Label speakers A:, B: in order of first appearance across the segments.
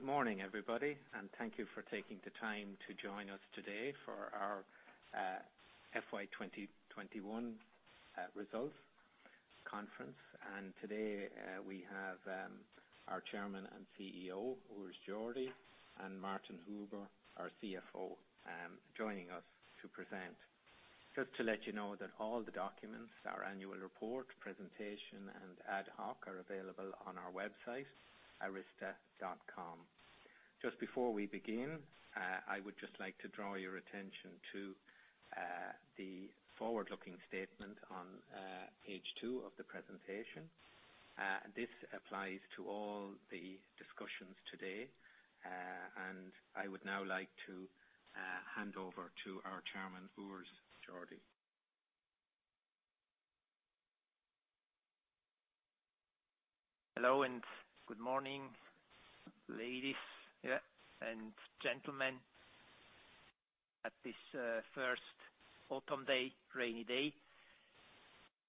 A: Good morning, everybody. Thank you for taking the time to join us today for our FY 2021 results conference. Today, we have our Chairman and CEO, Urs Jordi, and Martin Huber, our CFO, joining us to present. Just to let you know that all the documents, our annual report, presentation, and ad hoc, are available on our website, aryzta.com. Before we begin, I would just like to draw your attention to the forward-looking statement on page two of the presentation. This applies to all the discussions today. I would now like to hand over to our Chairman, Urs Jordi.
B: Hello, good morning, ladies and gentlemen, at this first autumn day, rainy day,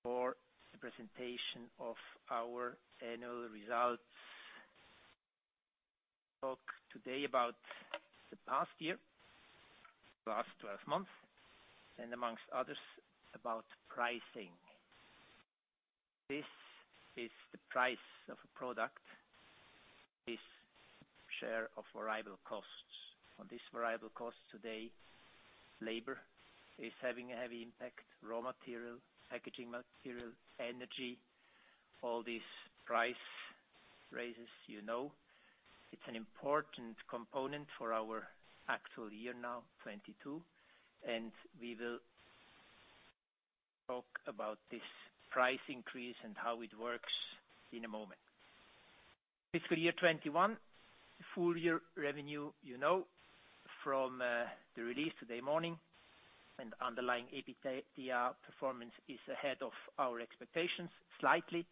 B: for the presentation of our annual results. Talk today about the past year, the last 12 months, and amongst others, about pricing. This is the price of a product. This share of variable costs. On this variable costs to date, labor is having a heavy impact, raw material, packaging material, energy, all these price raises you know. It's an important component for our actual year now, 2022. We will talk about this price increase and how it works in a moment. Fiscal year 2021, full year revenue, you know from the release today morning. Underlying EBITDA performance is ahead of our expectations slightly.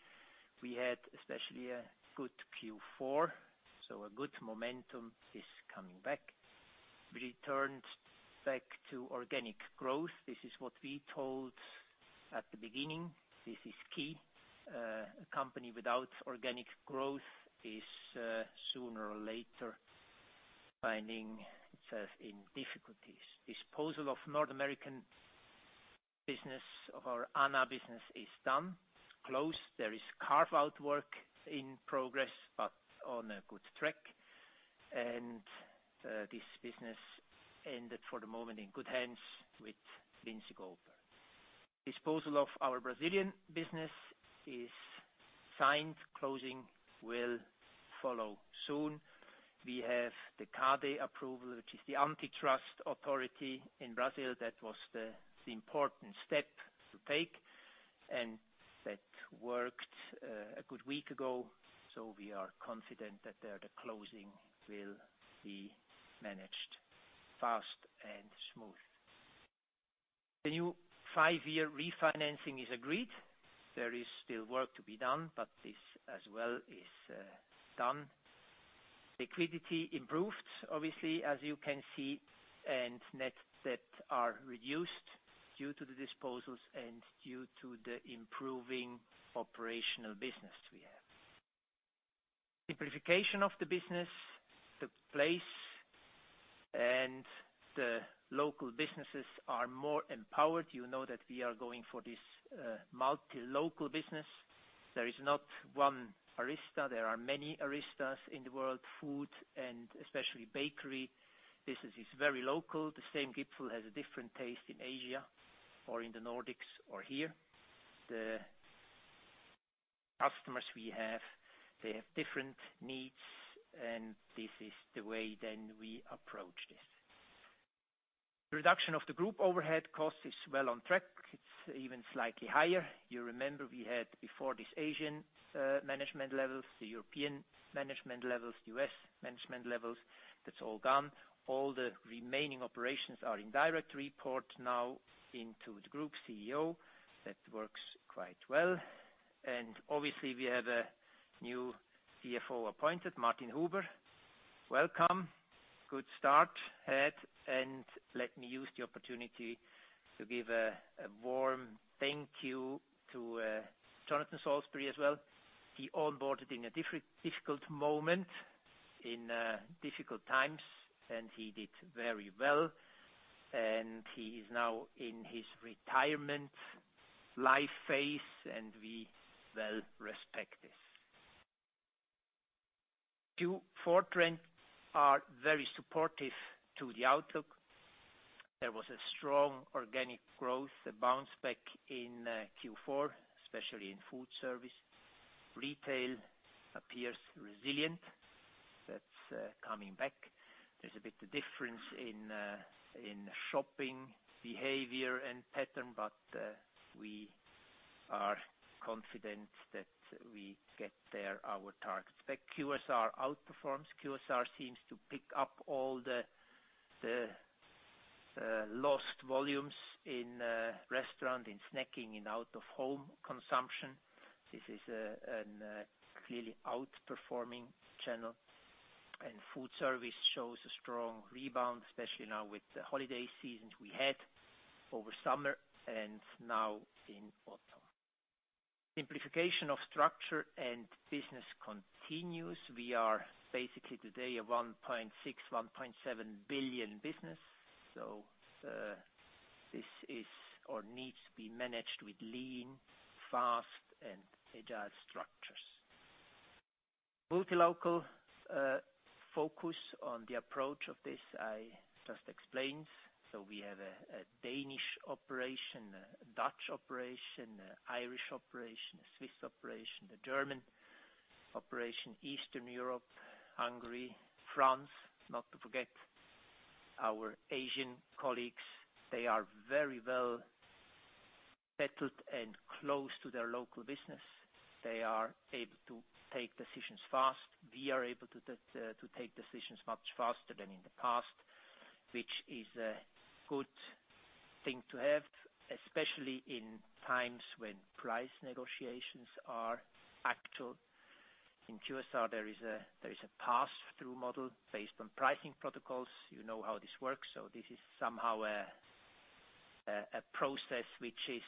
B: We had especially a good Q4, so a good momentum is coming back. We returned back to organic growth. This is what we told at the beginning. This is key. A company without organic growth is sooner or later finding itself in difficulties. Disposal of North American business of our ANA business is done, closed. There is carve out work in progress, but on a good track. This business ended for the moment in good hands with Lindsay Goldberg. Disposal of our Brazilian business is signed. Closing will follow soon. We have the CADE approval, which is the antitrust authority in Brazil. That was the important step to take. That worked a good week ago, so we are confident that the closing will be managed fast and smooth. The new five-year refinancing is agreed. There is still work to be done, but this as well is done. Liquidity improved, obviously, as you can see, and net debt are reduced due to the disposals and due to the improving operational business we have. Simplification of the business, the place, and the local businesses are more empowered. You know that we are going for this multi-local business. There is not one ARYZTA. There are many ARYZTAs in the world. Food and especially bakery business is very local. The same Gipfeli has a different taste in Asia or in the Nordics or here. The customers we have, they have different needs, and this is the way then we approach this. The reduction of the group overhead cost is well on track. It's even slightly higher. You remember we had before this Asian management levels, the European management levels, U.S. management levels. That's all gone. All the remaining operations are in direct report now into the Group CEO. That works quite well. Obviously we have a new CFO appointed, Martin Huber. Welcome. Good start had. Let me use the opportunity to give a warm thank you to Jonathan Solesbury as well. He onboarded in a difficult moment in difficult times. He did very well. He is now in his retirement life phase, and we well respect this. Q4 trends are very supportive to the outlook. There was a strong organic growth, a bounce back in Q4, especially in food service. Retail appears resilient. That's coming back. There's a bit of difference in shopping behavior and pattern, we are confident that we get there our targets. Back QSR outperforms. QSR seems to pick up all the lost volumes in restaurant, in snacking, in out-of-home consumption. This is a clearly outperforming channel. Food service shows a strong rebound, especially now with the holiday seasons we had over summer and now in autumn. Simplification of structure and business continues. We are basically today a 1.6 billion, 1.7 billion business. This needs to be managed with lean, fast, and agile structures. Multilocal focus on the approach of this, I just explained. We have a Danish operation, a Dutch operation, an Irish operation, a Swiss operation, the German operation, Eastern Europe, Hungary, France. Not to forget our Asian colleagues. They are very well settled and close to their local business. They are able to take decisions fast. We are able to take decisions much faster than in the past, which is a good thing to have, especially in times when price negotiations are actual. In QSR, there is a pass-through model based on pricing protocols. You know how this works, so this is somehow a process which is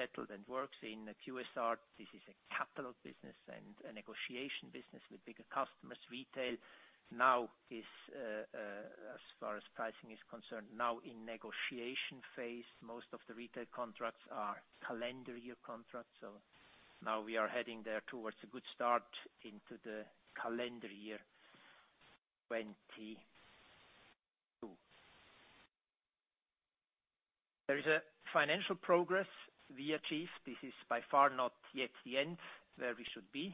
B: settled and works in QSR. This is a capital business and a negotiation business with bigger customers. Retail now is, as far as pricing is concerned, now in negotiation phase. Most of the retail contracts are calendar year contracts. Now we are heading there towards a good start into the calendar year 2022. There is a financial progress we achieved. This is by far not yet the end where we should be.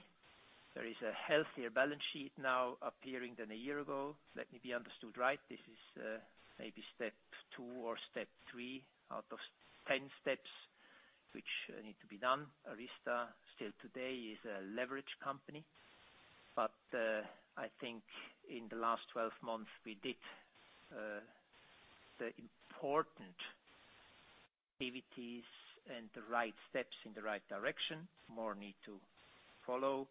B: There is a healthier balance sheet now appearing than a year ago. Let me be understood right. This is maybe step two or step three out of 10 steps which need to be done. ARYZTA still today is a leverage company, but I think in the last 12 months, we did the important activities and the right steps in the right direction. More need to follow,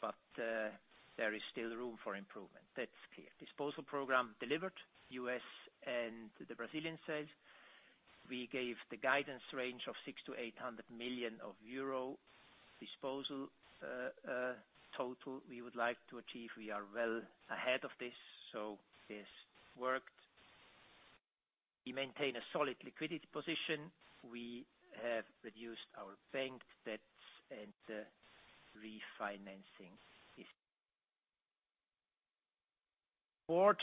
B: but there is still room for improvement. That's clear. Disposal program delivered, U.S. and the Brazilian sales. We gave the guidance range of 600 million-800 million euro disposal, total we would like to achieve. We are well ahead of this. This worked. We maintain a solid liquidity position. We have reduced our bank debts and refinancing is. Board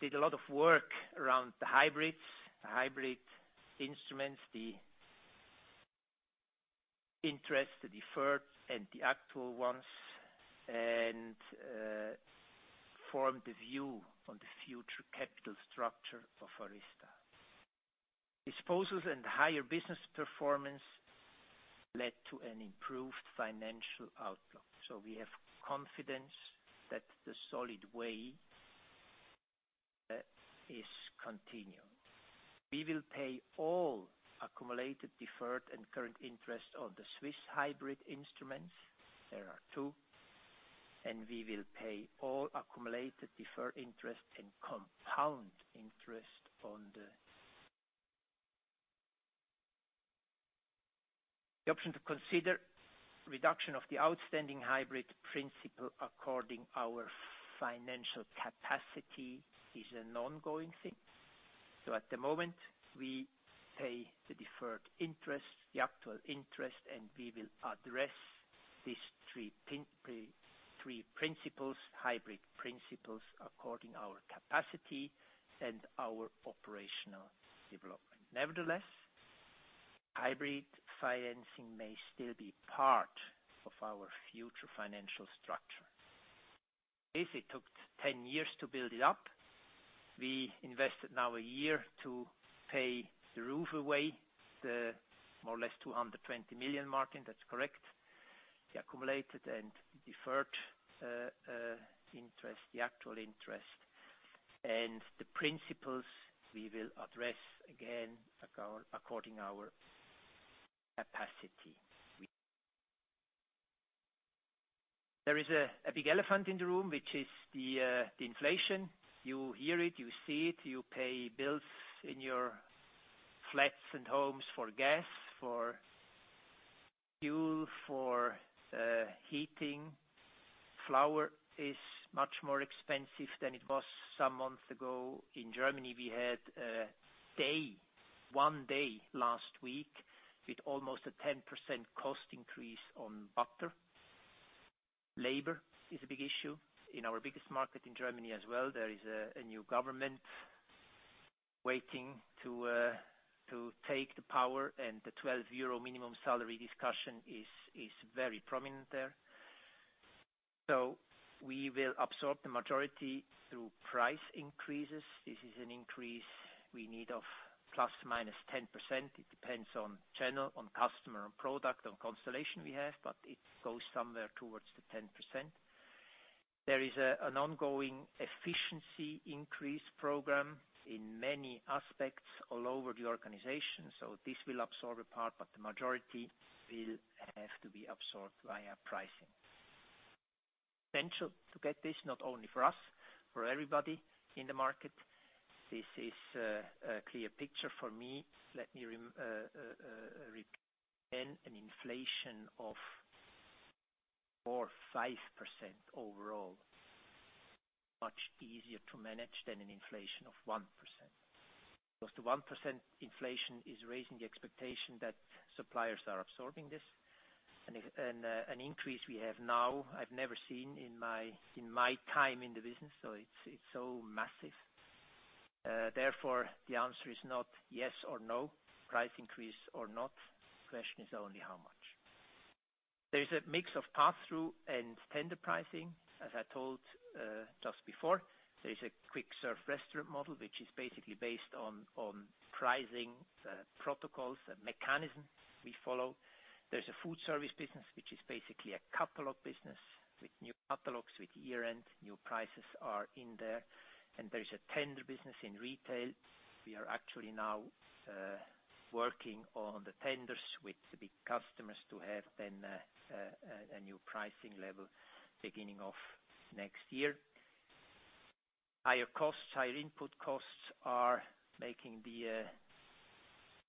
B: did a lot of work around the hybrids, the hybrid instruments, the interest, the deferred, and the actual ones, and formed the view on the future capital structure of ARYZTA. Disposals and higher business performance led to an improved financial outlook. We have confidence that the solid way is continuing. We will pay all accumulated, deferred, and current interest on the Swiss hybrid instruments. There are two, and we will pay all accumulated deferred interest and compound interest on the. The option to consider reduction of the outstanding hybrid principal according our financial capacity is an ongoing thing. At the moment, we pay the deferred interest, the actual interest, and we will address these three principles, hybrid principles, according our capacity and our operational development. Nevertheless, hybrid financing may still be part of our future financial structure. This, it took 10 years to build it up. We invested now a year to pay the roof away. More or less 220 million, Martin, that's correct. The accumulated and deferred interest, the actual interest, and the principles we will address again according our capacity. There is a big elephant in the room, which is the inflation. You hear it, you see it, you pay bills in your flats and homes for gas, for fuel, for heating. Flour is much more expensive than it was some months ago. In Germany, we had a day, one day last week, with almost a 10% cost increase on butter. Labor is a big issue in our biggest market in Germany as well. There is a new government waiting to take the power, and the 12 euro minimum salary discussion is very prominent there. We will absorb the majority through price increases. This is an increase we need of ±10%. It depends on channel, on customer, on product, on constellation we have, but it goes somewhere towards the 10%. There is an ongoing efficiency increase program in many aspects all over the organization. This will absorb a part, but the majority will have to be absorbed via pricing. Potential to get this not only for us, for everybody in the market. This is a clear picture for me. Let me repeat again, an inflation of 4%, 5% overall, much easier to manage than an inflation of 1%. Because the 1% inflation is raising the expectation that suppliers are absorbing this. An increase we have now, I've never seen in my time in the business. It's so massive. The answer is not yes or no, price increase or not. There is a mix of pass-through and tender pricing, as I told just before. There is a quick serve restaurant model, which is basically based on pricing, the protocols, the mechanism we follow. There's a food service business, which is basically a catalog business with new catalogs, with year-end, new prices are in there, and there's a tender business in retail. We are actually now working on the tenders with the big customers to have then a new pricing level beginning of next year. Higher costs, higher input costs are making the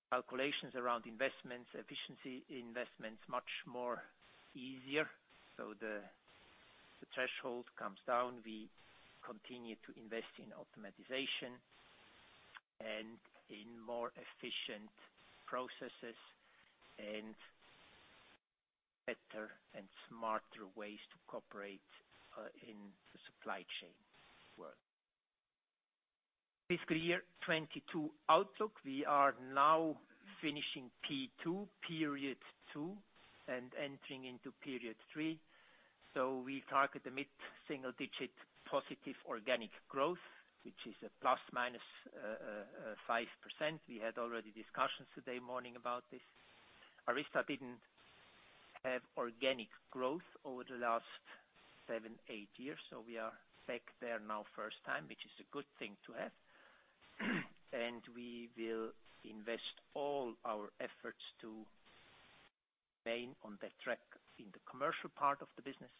B: calculations around investments, efficiency investments much more easier. The threshold comes down. We continue to invest in automatization and in more efficient processes and better and smarter ways to cooperate in the supply chain world. Fiscal year 2022 outlook, we are now finishing P2, period 2, and entering into period 3. We target a mid-single-digit positive organic growth, which is a ±5%. We had already discussions today morning about this. ARYZTA didn't have organic growth over the last seven, eight years. We are back there now first time, which is a good thing to have. We will invest all our efforts to remain on that track in the commercial part of the business.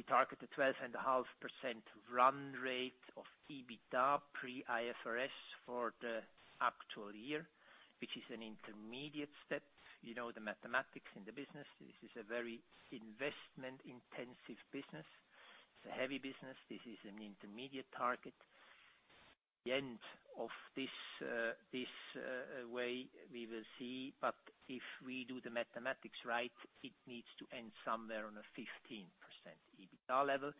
B: We target a 12.5% run rate of EBITDA pre IFRS for the actual year, which is an intermediate step. You know the mathematics in the business. This is a very investment-intensive business. It's a heavy business. This is an intermediate target. The end of this way, we will see, but if we do the mathematics right, it needs to end somewhere on a 15% EBITDA level.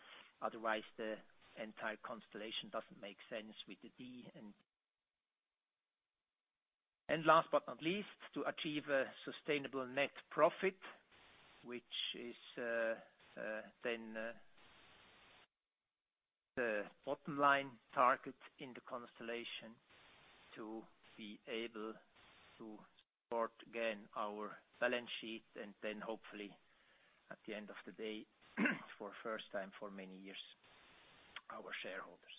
B: Otherwise, the entire constellation doesn't make sense with the D and last but not least, to achieve a sustainable net profit, which is then the bottom line target in the constellation to be able to support again our balance sheet, and then hopefully at the end of the day for first time for many years, our shareholders.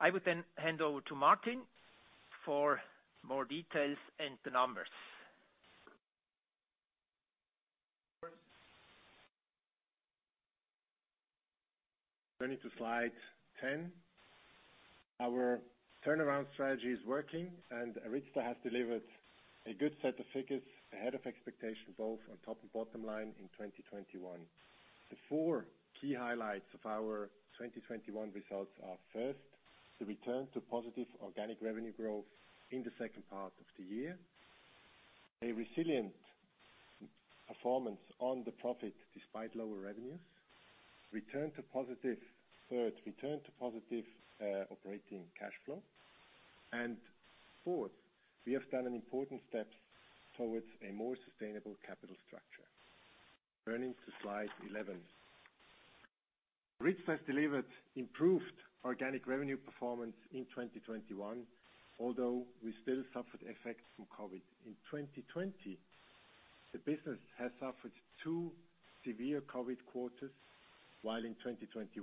B: I would then hand over to Martin for more details and the numbers.
C: Turning to slide 10. ARYZTA has delivered a good set of figures ahead of expectation, both on top and bottom line in 2021. The four key highlights of our 2021 results are, first, the return to positive organic revenue growth in the second part of the year. A resilient performance on the profit despite lower revenues. Third, return to positive operating cash flow. Fourth, we have done an important step towards a more sustainable capital structure. Turning to slide 11. ARYZTA has delivered improved organic revenue performance in 2021, although we still suffered effects from COVID. In 2020, the business has suffered two severe COVID quarters, while in 2021,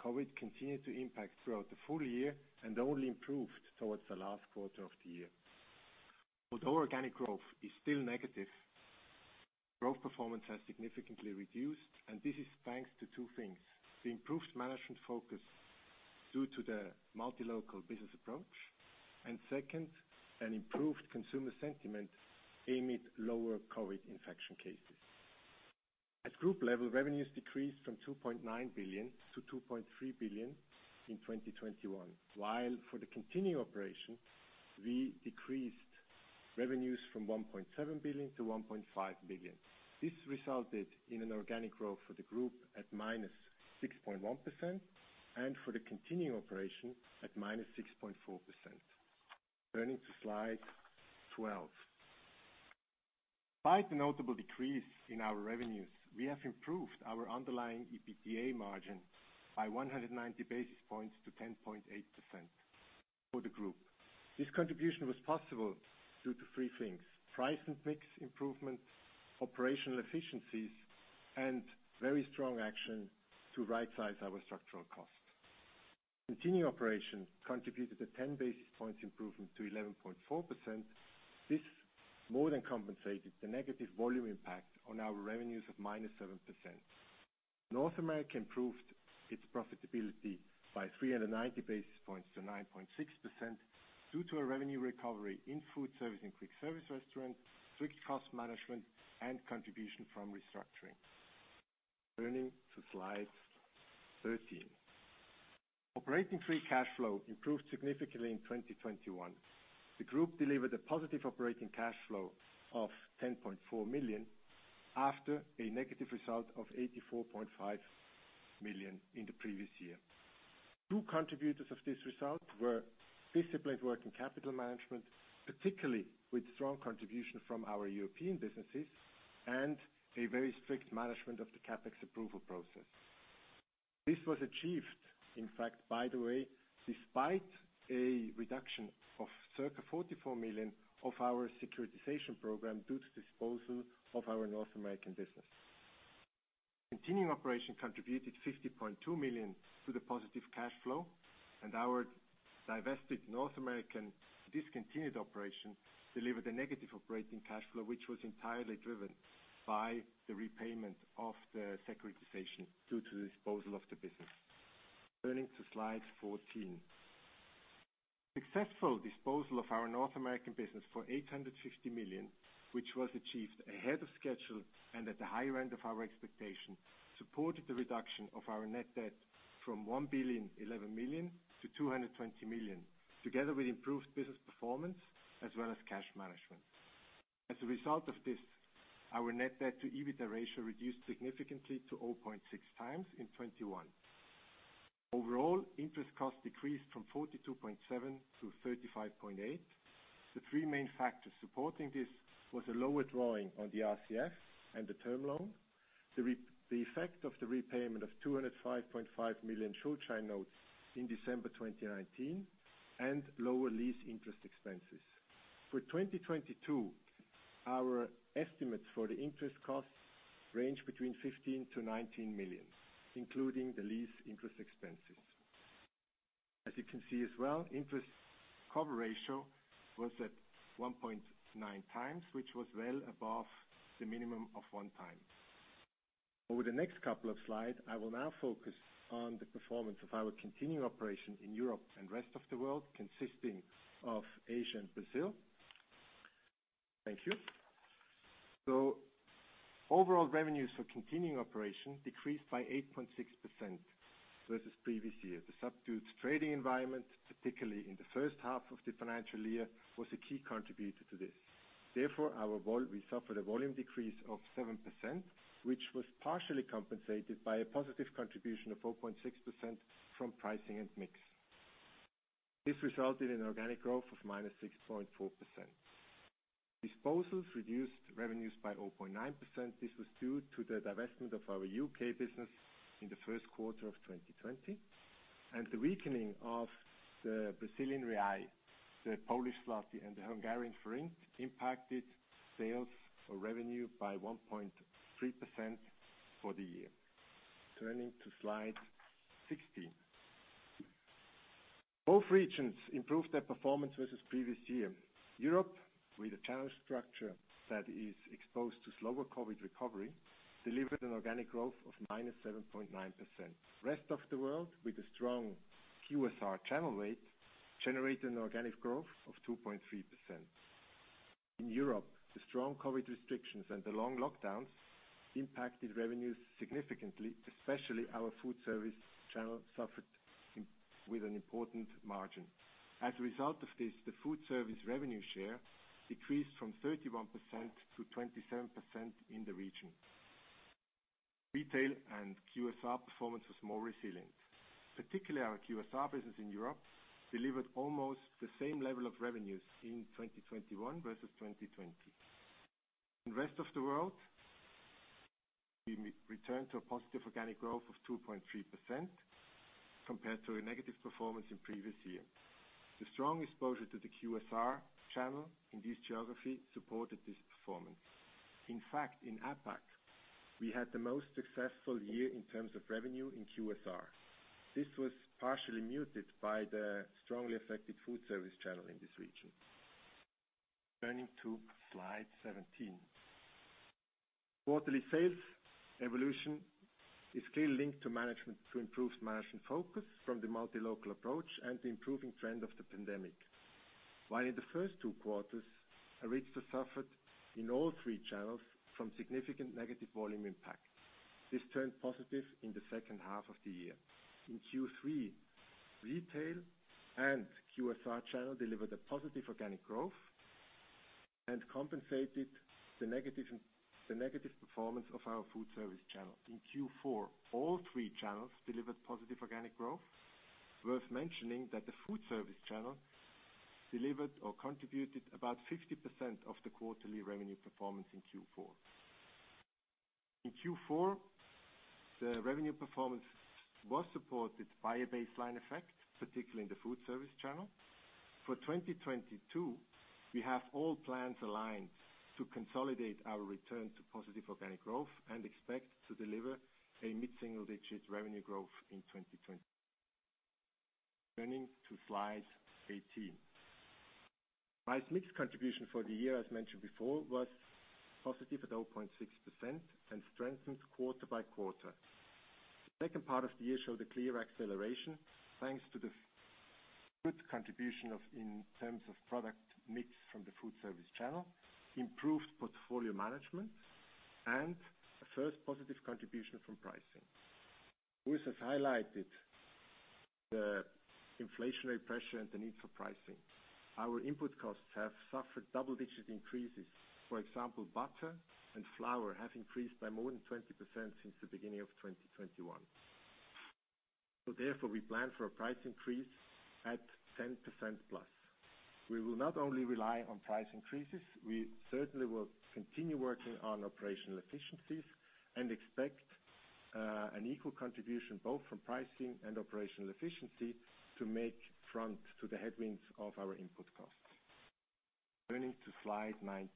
C: COVID continued to impact throughout the full year and only improved towards the last quarter of the year. Although organic growth is still negative, growth performance has significantly reduced, this is thanks to two things. The improved management focus due to the multi-local business approach. Second, an improved consumer sentiment amid lower COVID infection cases. At group level, revenues decreased from 2.9 billion to 2.3 billion in 2021. While for the continuing operation, we decreased revenues from 1.7 billion to 1.5 billion. This resulted in an organic growth for the group at -6.1% and for the continuing operation at -6.4%. Turning to slide 12. By the notable decrease in our revenues, we have improved our underlying EBITDA margin by 190 basis points to 10.8% for the group. This contribution was possible due to three things. Price and mix improvements, operational efficiencies, and very strong action to rightsize our structural costs. Continuing operations contributed a 10 basis points improvement to 11.4%. This more than compensated the negative volume impact on our revenues of -7%. North America improved its profitability by 390 basis points to 9.6%, due to a revenue recovery in food service and quick service restaurants, strict cost management, and contribution from restructuring. Turning to slide 13. The group delivered a positive operating cash flow of 10.4 million, after a negative result of 84.5 million in the previous year. Two contributors of this result were disciplined working capital management, particularly with strong contribution from our European businesses, and a very strict management of the CapEx approval process. This was achieved, in fact, by the way, despite a reduction of circa 44 million of our securitization program due to disposal of our North American business. Continuing operation contributed 50.2 million to the positive cash flow, and our divested North American discontinued operation delivered a negative operating cash flow, which was entirely driven by the repayment of the securitization due to the disposal of the business. Turning to slide 14. Successful disposal of our North American business for $850 million, which was achieved ahead of schedule and at the high end of our expectation, supported the reduction of our net debt from 1.011 billion to 220 million, together with improved business performance as well as cash management. As a result of this, our net debt to EBITDA ratio reduced significantly to 0.6x in 2021. Overall, interest costs decreased from 42.7 million to 35.5 million. The three main factors supporting this was a lower drawing on the RCF and the term loan, the effect of the repayment of 205.5 million Schuldschein notes in December 2019, and lower lease interest expenses. For 2022, our estimates for the interest costs range between 15 million-19 million, including the lease interest expenses. As you can see as well, interest cover ratio was at 1.9 times, which was well above the minimum of 1 time. Over the next couple of slides, I will now focus on the performance of our continuing operation in Europe and rest of the world, consisting of Asia and Brazil. Thank you. Overall revenues for continuing operation decreased by 8.6% versus previous year. The subdued trading environment, particularly in the first half of the financial year, was a key contributor to this. Therefore, we suffered a volume decrease of 7%, which was partially compensated by a positive contribution of 4.6% from pricing and mix. This resulted in organic growth of -6.4%. Disposals reduced revenues by 0.9%. This was due to the divestment of our U.K. business in the first quarter of 2020. The weakening of the Brazilian real, the Polish Zloty, and the Hungarian forint impacted sales or revenue by 1.3% for the year. Turning to slide 16. Both regions improved their performance versus previous year. Europe, with a channel structure that is exposed to slower COVID recovery, delivered an organic growth of -7.9%. Rest of the world, with a strong QSR channel weight, generated an organic growth of 2.3%. In Europe, the strong COVID restrictions and the long lockdowns impacted revenues significantly, especially our food service channel suffered with an important margin. As a result of this, the food service revenue share decreased from 31% to 27% in the region. Retail and QSR performance was more resilient. Particularly our QSR business in Europe delivered almost the same level of revenues in 2021 versus 2020. In rest of the world, we returned to a positive organic growth of 2.3% compared to a negative performance in previous year. The strong exposure to the QSR channel in this geography supported this performance. In fact, in APAC, we had the most successful year in terms of revenue in QSR. This was partially muted by the strongly affected food service channel in this region. Turning to slide 17. Quarterly sales evolution is clearly linked to improved margin focus from the multi-local approach and the improving trend of the pandemic. While in the first two quarters, ARYZTA suffered in all three channels from significant negative volume impact. This turned positive in the second half of the year. In Q3, retail and QSR channel delivered a positive organic growth and compensated the negative performance of our food service channel. In Q4, all three channels delivered positive organic growth. Worth mentioning that the food service channel delivered or contributed about 50% of the quarterly revenue performance in Q4. In Q4, the revenue performance was supported by a baseline effect, particularly in the food service channel. For 2022, we have all plans aligned to consolidate our return to positive organic growth and expect to deliver a mid-single-digit revenue growth in 2022. Turning to slide 18. Price mix contribution for the year, as mentioned before, was positive at 0.6% and strengthened quarter by quarter. The second part of the year showed a clear acceleration, thanks to the good contribution in terms of product mix from the food service channel, improved portfolio management, and a first positive contribution from pricing. Urs has highlighted the inflationary pressure and the need for pricing. Our input costs have suffered double-digit increases. For example, butter and flour have increased by more than 20% since the beginning of 2021. Therefore, we plan for a price increase at 10%+. We will not only rely on price increases, we certainly will continue working on operational efficiencies and expect an equal contribution both from pricing and operational efficiency to make front to the headwinds of our input costs. Turning to slide 19.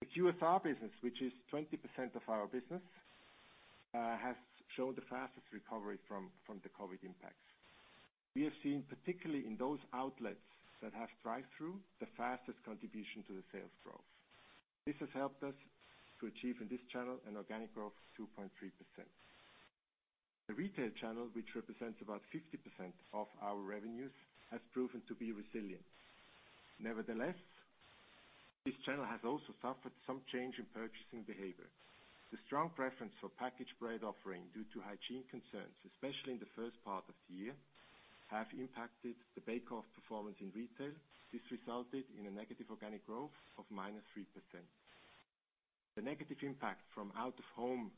C: The QSR business, which is 20% of our business, has shown the fastest recovery from the COVID impacts. We have seen, particularly in those outlets that have drive-through, the fastest contribution to the sales growth. This has helped us to achieve in this channel an organic growth of 2.3%. The retail channel, which represents about 50% of our revenues, has proven to be resilient. Nevertheless, this channel has also suffered some change in purchasing behavior. The strong preference for packaged bread offering due to hygiene concerns, especially in the first part of the year, have impacted the bake off performance in retail. This resulted in a negative organic growth of minus 3%. The negative impact from out-of-home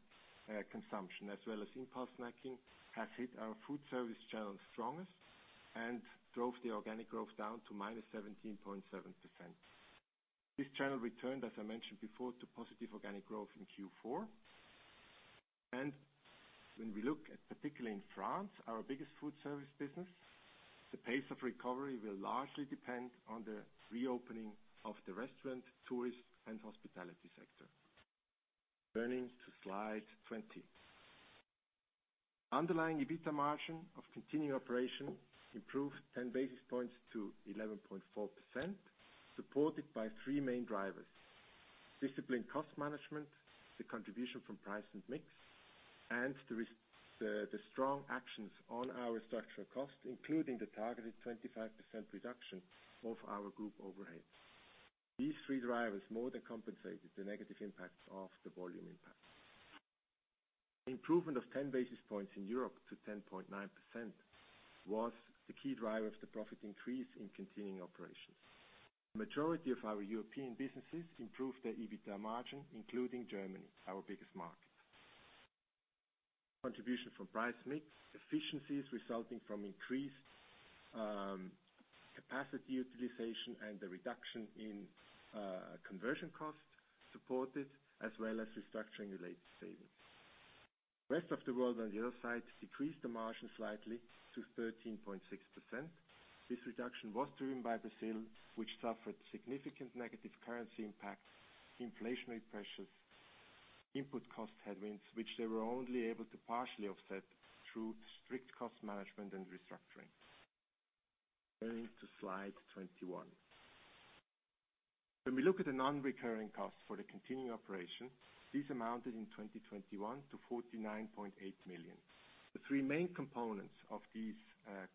C: consumption as well as impulse snacking has hit our food service channel strongest and drove the organic growth down to minus 17.7%. This channel returned, as I mentioned before, to positive organic growth in Q4. When we look at, particularly in France, our biggest food service business, the pace of recovery will largely depend on the reopening of the restaurant, tourist, and hospitality sector. Turning to slide 20. Underlying EBITDA margin of continuing operation improved 10 basis points to 11.4%, supported by three main drivers: disciplined cost management, the contribution from price and mix, and the strong actions on our structural cost, including the targeted 25% reduction of our group overhead. These three drivers more than compensated the negative impacts of the volume impact. Improvement of 10 basis points in Europe to 10.9% was the key driver of the profit increase in continuing operations. The majority of our European businesses improved their EBITDA margin, including Germany, our biggest market. Contribution from price mix, efficiencies resulting from increased capacity utilization and the reduction in conversion cost supported, as well as restructuring-related savings. Rest of the world, on the other side, decreased the margin slightly to 13.6%. This reduction was driven by Brazil, which suffered significant negative currency impacts, inflationary pressures, input cost headwinds, which they were only able to partially offset through strict cost management and restructuring. Turning to slide 21. When we look at the non-recurring costs for the continuing operation, these amounted in 2021 to 49.8 million. The three main components of these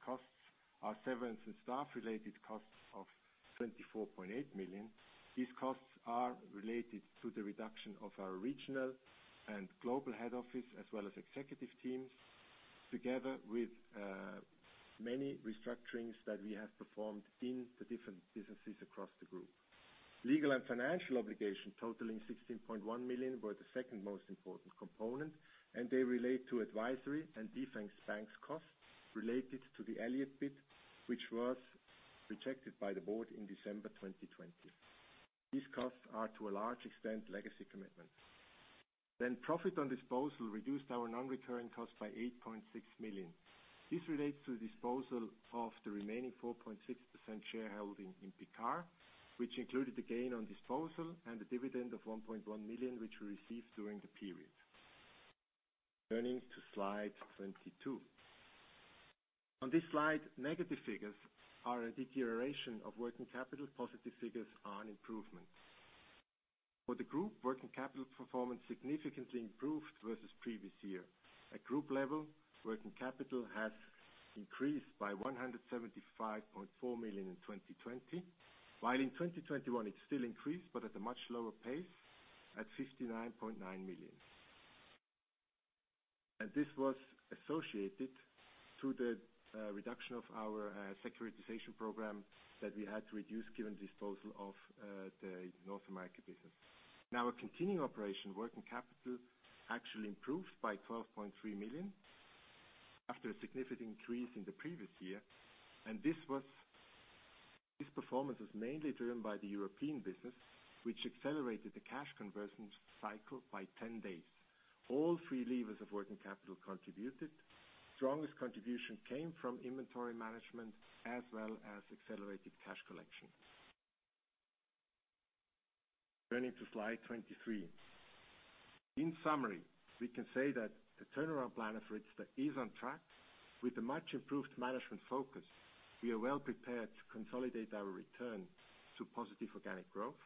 C: costs are severance and staff related costs of 24.8 million. These costs are related to the reduction of our regional and global head office as well as executive teams, together with many restructurings that we have performed in the different businesses across the group. Legal and financial obligation totaling 16.1 million were the second most important component, and they relate to advisory and defense banks costs related to the Elliott bid, which was rejected by the board in December 2020. These costs are to a large extent legacy commitments. Profit on disposal reduced our non-recurring cost by 8.6 million. This relates to the disposal of the remaining 4.6% shareholding in Picard, which included the gain on disposal and a dividend of 1.1 million, which we received during the period. Turning to slide 22. On this slide, negative figures are a deterioration of working capital. Positive figures are an improvement. For the group, working capital performance significantly improved versus previous year. At group level, working capital has increased by 175.4 million in 2020. While in 2021 it still increased but at a much lower pace at 59.9 million. This was associated to the reduction of our securitization program that we had to reduce given disposal of the North America business. Now our continuing operation, working capital actually improved by 12.3 million after a significant increase in the previous year, this performance was mainly driven by the European business, which accelerated the cash conversion cycle by 10 days. All three levers of working capital contributed. Strongest contribution came from inventory management as well as accelerated cash collection. Turning to slide 23. In summary, we can say that the turnaround plan of ARYZTA is on track. With a much improved management focus, we are well prepared to consolidate our return to positive organic growth.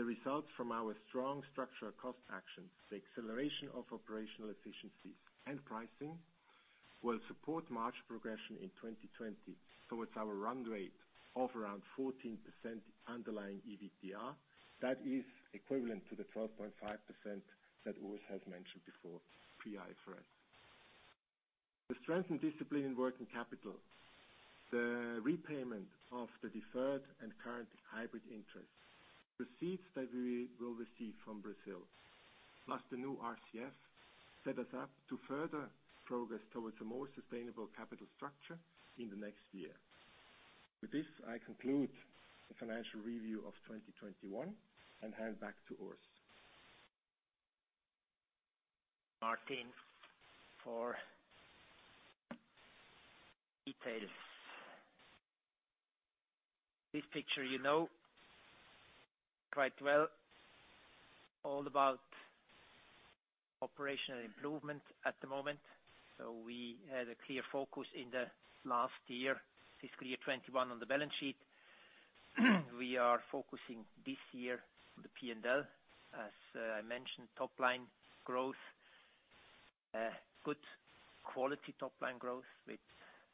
C: The results from our strong structural cost action, the acceleration of operational efficiencies, and pricing will support margin progression in 2020 towards our run rate of around 14% underlying EBITDA. That is equivalent to the 12.5% that Urs has mentioned before, pre-IFRS. The strength and discipline in working capital, the repayment of the deferred and current hybrid interest, receipts that we will receive from Brazil, plus the new RCF set us up to further progress towards a more sustainable capital structure in the next year. With this, I conclude the financial review of 2021 and hand back to Urs.
B: Martin, for details. This picture you know quite well, all about operational improvement at the moment. We had a clear focus in the last year, fiscal year 2021, on the balance sheet. We are focusing this year on the P&L. As I mentioned, top line growth. Good quality top line growth with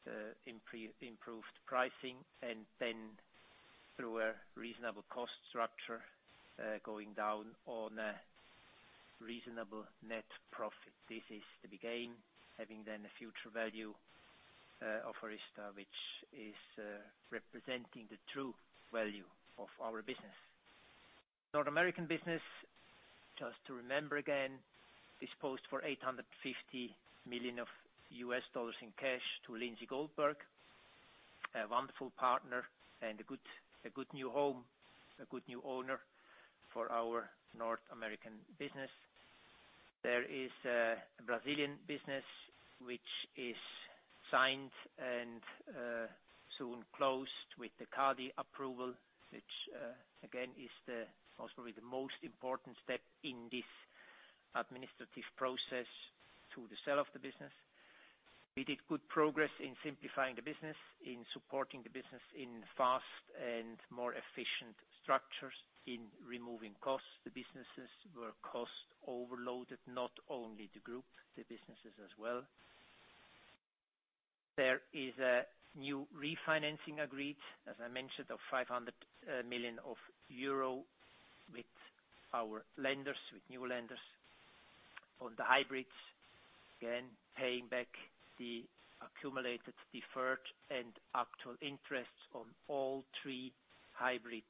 B: the improved pricing and then through a reasonable cost structure, going down on a reasonable net profit. This is the big aim, having then a future value of ARYZTA, which is representing the true value of our business. North American business, just to remember again, disposed for $850 million in cash to Lindsay Goldberg, a wonderful partner and a good new home, a good new owner for our North American business. There is a Brazilian business which is signed and soon closed with the CADE approval, which again, is possibly the most important step in this administrative process to the sale of the business. We did good progress in simplifying the business, in supporting the business in fast and more efficient structures, in removing costs. The businesses were cost overloaded, not only the group, the businesses as well. There is a new refinancing agreed, as I mentioned, of 500 million euro with our lenders, with new lenders on the hybrids, again, paying back the accumulated, deferred, and actual interests on all three hybrid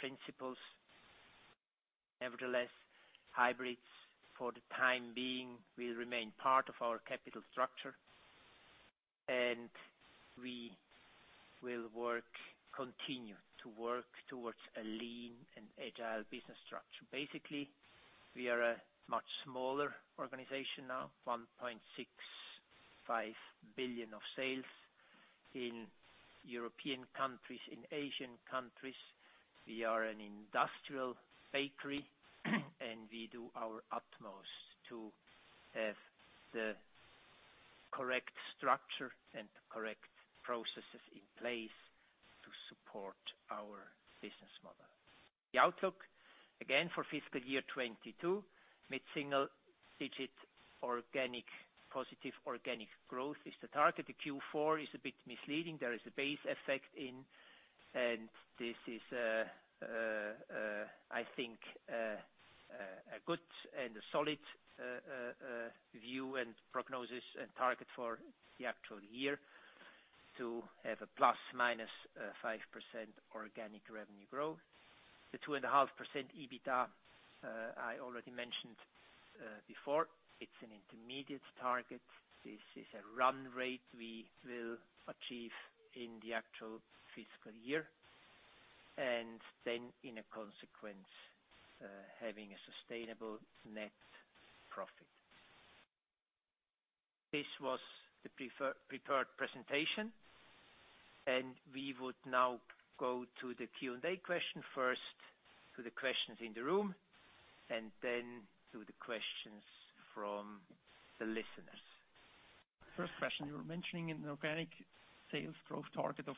B: principles. Nevertheless, hybrids for the time being will remain part of our capital structure. We will continue to work towards a lean and agile business structure. Basically, we are a much smaller organization now, 1.65 billion of sales in European countries, in Asian countries. We are an industrial bakery, and we do our utmost to have the correct structure and correct processes in place to support our business model. The outlook, again, for fiscal year 2022, mid-single-digit positive organic growth is the target. The Q4 is a bit misleading. There is a base effect in, and this is, I think, a good and a solid view and prognosis and target for the actual year to have a ±5% organic revenue growth. The 2.5% EBITDA, I already mentioned before, it's an intermediate target. This is a run rate we will achieve in the actual fiscal year. In a consequence, having a sustainable net profit. This was the prepared presentation, and we would now go to the Q&A question. First, to the questions in the room, and then to the questions from the listeners.
D: First question. You were mentioning an organic sales growth target of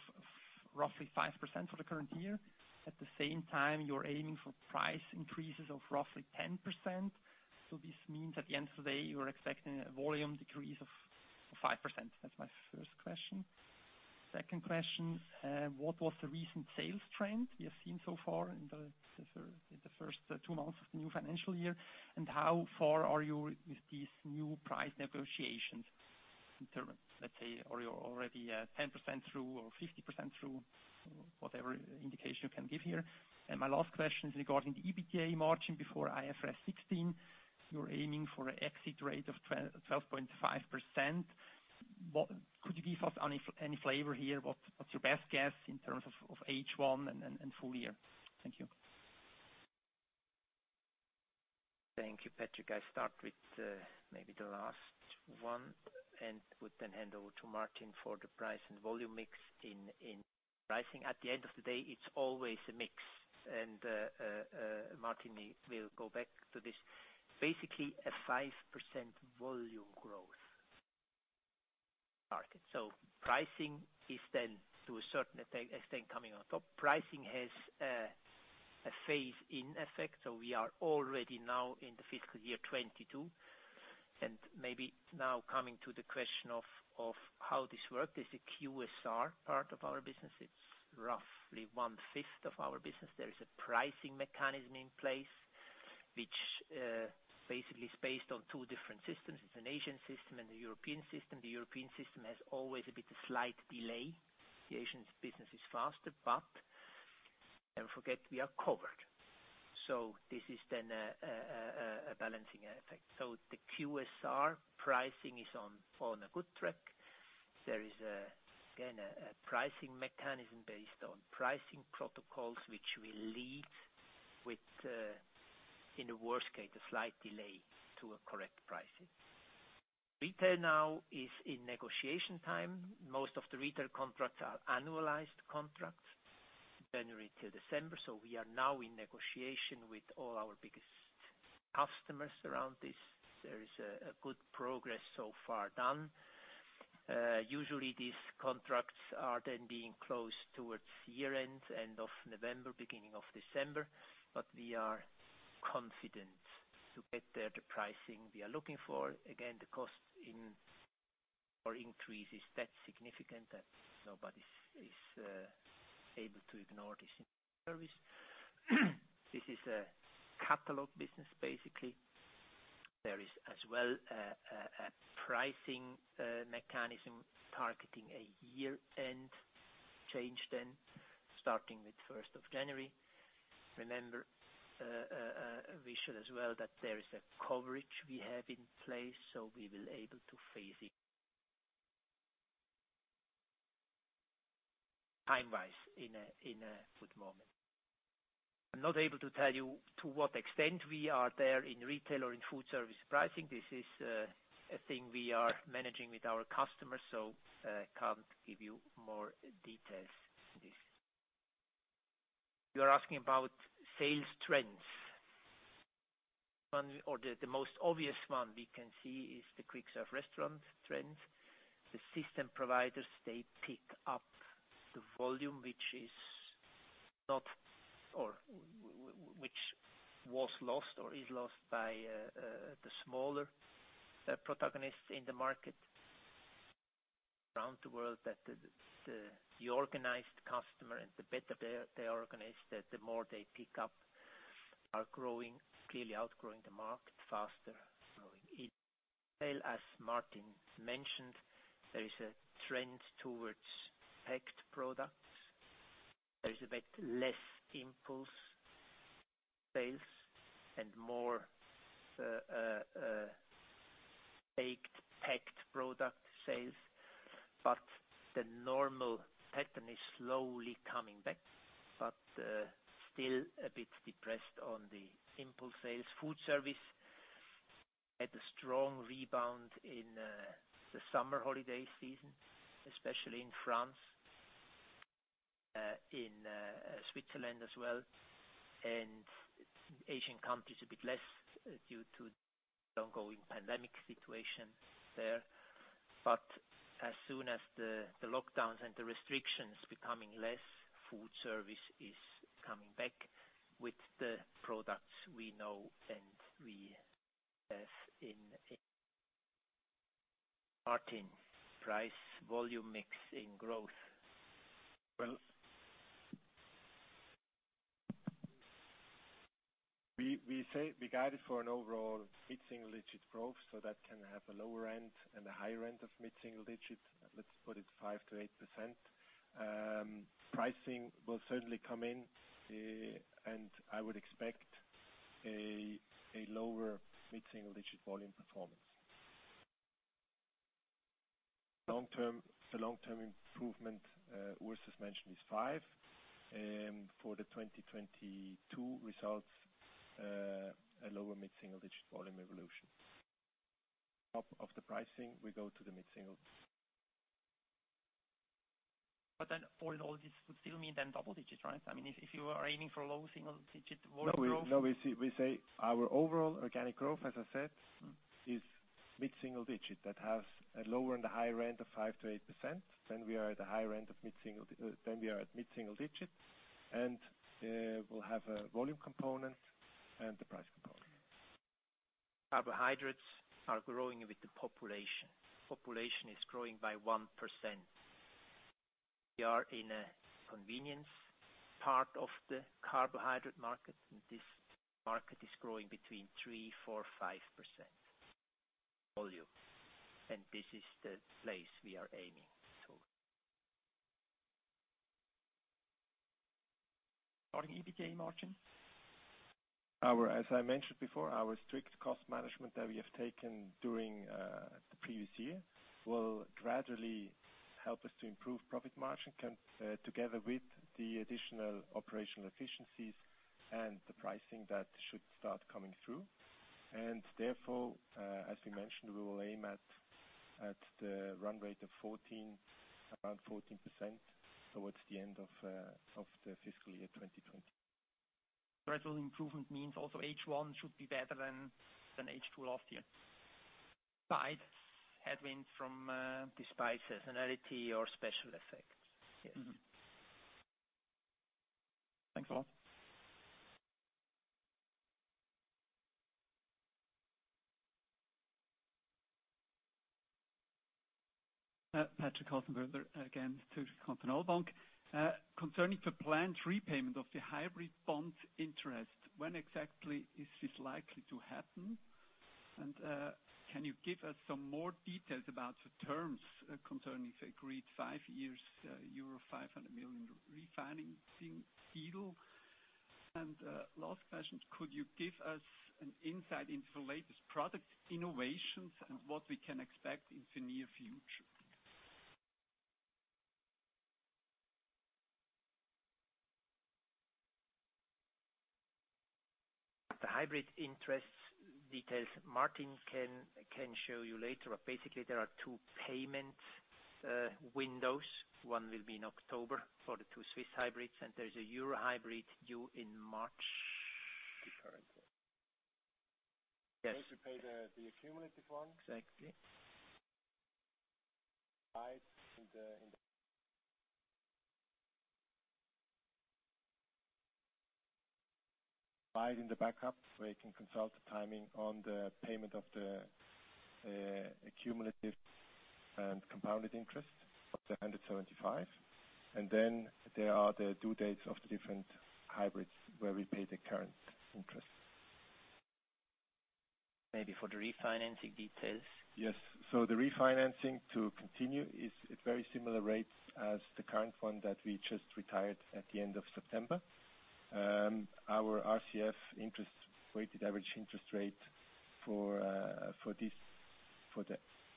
D: roughly 5% for the current year. At the same time, you're aiming for price increases of roughly 10%. This means at the end of the day, you are expecting a volume decrease of 5%. That's my first question. Second question. What was the recent sales trend you have seen so far in the first two months of the new financial year? How far are you with these new price negotiations in terms, let's say, are you already 10% through or 50% through? Whatever you can give here. My last question is regarding the EBITDA margin before IFRS 16. You're aiming for an exit rate of 12.5%. Could you give us any flavor here, what's your best guess in terms of H1 and full year? Thank you.
B: Thank you, Patrick. I start with maybe the last one and would then hand over to Martin for the price and volume mix in pricing. At the end of the day, it's always a mix and Martin will go back to this. Basically a 5% volume growth market. Pricing is then to a certain extent, coming on top. Pricing has a phase in effect, we are already now in the fiscal year 2022, maybe now coming to the question of how this works, is the QSR part of our business. It's roughly one fifth of our business. There is a pricing mechanism in place, which basically is based on two different systems. It's an Asian system and a European system. The European system has always a bit slight delay. The Asian business is faster, don't forget, we are covered. This is then a balancing effect. The QSR pricing is on a good track. There is, again, a pricing mechanism based on pricing protocols, which will lead with, in the worst case, a slight delay to a correct pricing. Retail now is in negotiation time. Most of the retail contracts are annualized contracts, January till December. We are now in negotiation with all our biggest customers around this. There is a good progress so far done. Usually, these contracts are then being closed towards year end of November, beginning of December, but we are confident to get there the pricing we are looking for. Again, the cost or increase is that significant that nobody is able to ignore this in food service. This is a catalog business, basically. There is as well a pricing mechanism targeting a year end change then, starting with 1st of January. Remember, we said as well that there is a coverage we have in place, so we will able to phase it time-wise in a good moment. I'm not able to tell you to what extent we are there in retail or in food service pricing. This is a thing we are managing with our customers, so can't give you more details this. You are asking about sales trends. The most obvious one we can see is the quick service restaurant trends. The system providers, they pick up the volume, which was lost or is lost by the smaller protagonists in the market. Around the world, the organized customer and the better they are organized, the more they pick up, are growing, clearly outgrowing the market faster, growing. Well, as Martin mentioned, there is a trend towards packed products. There is a bit less impulse sales and more baked, packed product sales. The normal pattern is slowly coming back, but still a bit depressed on the impulse sales. Food service had a strong rebound in the summer holiday season, especially in France, in Switzerland as well, and Asian countries a bit less due to the ongoing pandemic situation there. As soon as the lockdowns and the restrictions becoming less, food service is coming back with the products we know and we have in. Martin, price volume mix in growth.
C: Well, we guided for an overall mid-single digit growth, so that can have a lower end and a higher end of mid-single digit. Let's put it 5%-8%. Pricing will certainly come in, and I would expect a lower mid-single digit volume performance. The long term improvement, Urs has mentioned, is five. For the 2022 results, a lower mid-single digit volume evolution. Top of the pricing, we go to the mid-single.
D: All in all, this would still mean then double digits, right? If you are aiming for a low single digit volume growth.
C: We say our overall organic growth, as I said, is mid-single digit. That has a lower and a higher end of 5%-8%. We are at mid-single digit, and we'll have a volume component and the price component.
B: Carbohydrates are growing with the population. Population is growing by 1%. We are in a convenience part of the carbohydrate market, and this market is growing between 3%, 4%, 5%. Volume. This is the place we are aiming. Starting EBITDA margin?
C: As I mentioned before, our strict cost management that we have taken during the previous year will gradually help us to improve profit margin together with the additional operational efficiencies and the pricing that should start coming through. Therefore, as we mentioned, we will aim at the run rate of around 14% towards the end of the fiscal year 2020.
B: Gradual improvement means also H1 should be better than H2 last year. Despite seasonality or special effects. Yes.
D: Thanks a lot. Patrik Hassenpflug again, Zürcher Kantonalbank. Concerning the planned repayment of the hybrid bond interest, when exactly is this likely to happen? Can you give us some more details about the terms concerning the agreed five years euro 500 million refinancing deal? Last question, could you give us an insight into the latest product innovations and what we can expect in the near future?
B: The hybrid interest details, Martin can show you later. Basically, there are 2 payment windows. One will be in October for the two Swiss hybrids, and there is a Euro hybrid due in March.
D: The current one.
B: Yes.
D: First we pay the accumulative one.
B: Exactly.
C: Slide in the backup, where you can consult the timing on the payment of the cumulative and compounded interest of the 175. There are the due dates of the different hybrids where we pay the current interest.
D: Maybe for the refinancing details.
C: Yes. The refinancing to continue is at very similar rates as the current one that we just retired at the end of September. Our RCF weighted average interest rate for the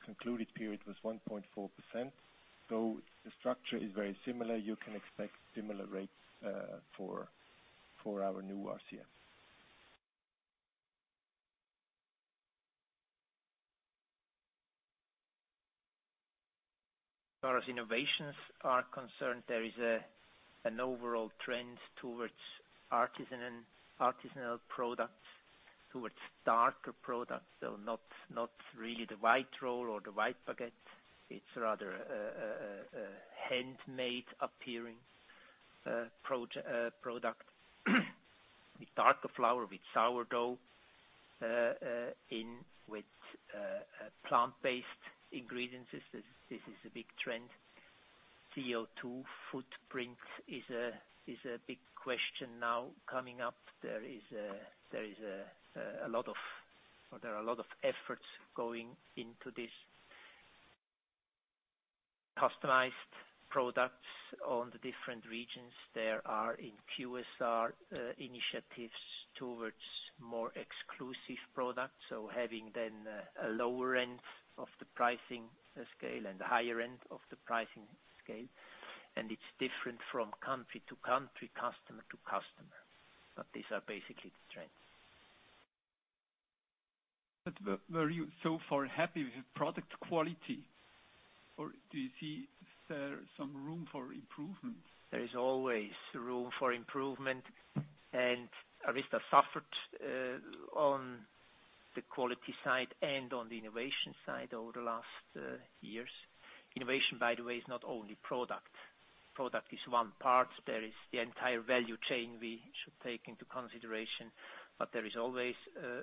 C: concluded period was 1.4%. The structure is very similar. You can expect similar rates for our new RCF.
B: As far as innovations are concerned, there is an overall trend towards artisanal products, towards darker products. Not really the white roll or the white baguettes. It's rather a handmade appearing product with darker flour, with sourdough, in with plant-based ingredients. This is a big trend. CO2 footprint is a big question now coming up. There are a lot of efforts going into this. Customized products on the different regions. There are, in QSR, initiatives towards more exclusive products, so having then a lower end of the pricing scale and a higher end of the pricing scale. It's different from country to country, customer to customer. These are basically the trends.
D: Were you so far happy with the product quality? Do you see there some room for improvements?
B: There is always room for improvement, and ARYZTA suffered on the quality side and on the innovation side over the last years. Innovation, by the way, is not only product. Product is one part. There is the entire value chain we should take into consideration, but there is always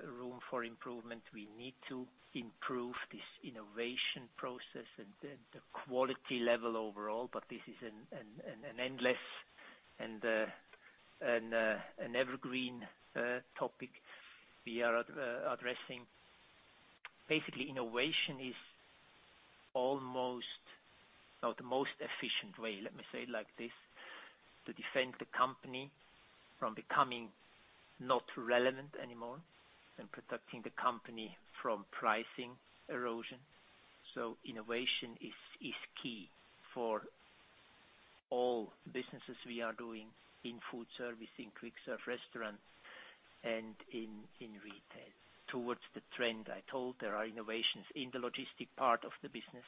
B: room for improvement. We need to improve this innovation process and the quality level overall, but this is an endless and an evergreen topic we are addressing. Basically, innovation is almost the most efficient way, let me say it like this, to defend the company from becoming not relevant anymore and protecting the company from pricing erosion. Innovation is key for all businesses we are doing in food service, in quick-serve restaurants, and in retail. Towards the trend, I told there are innovations in the logistic part of the business,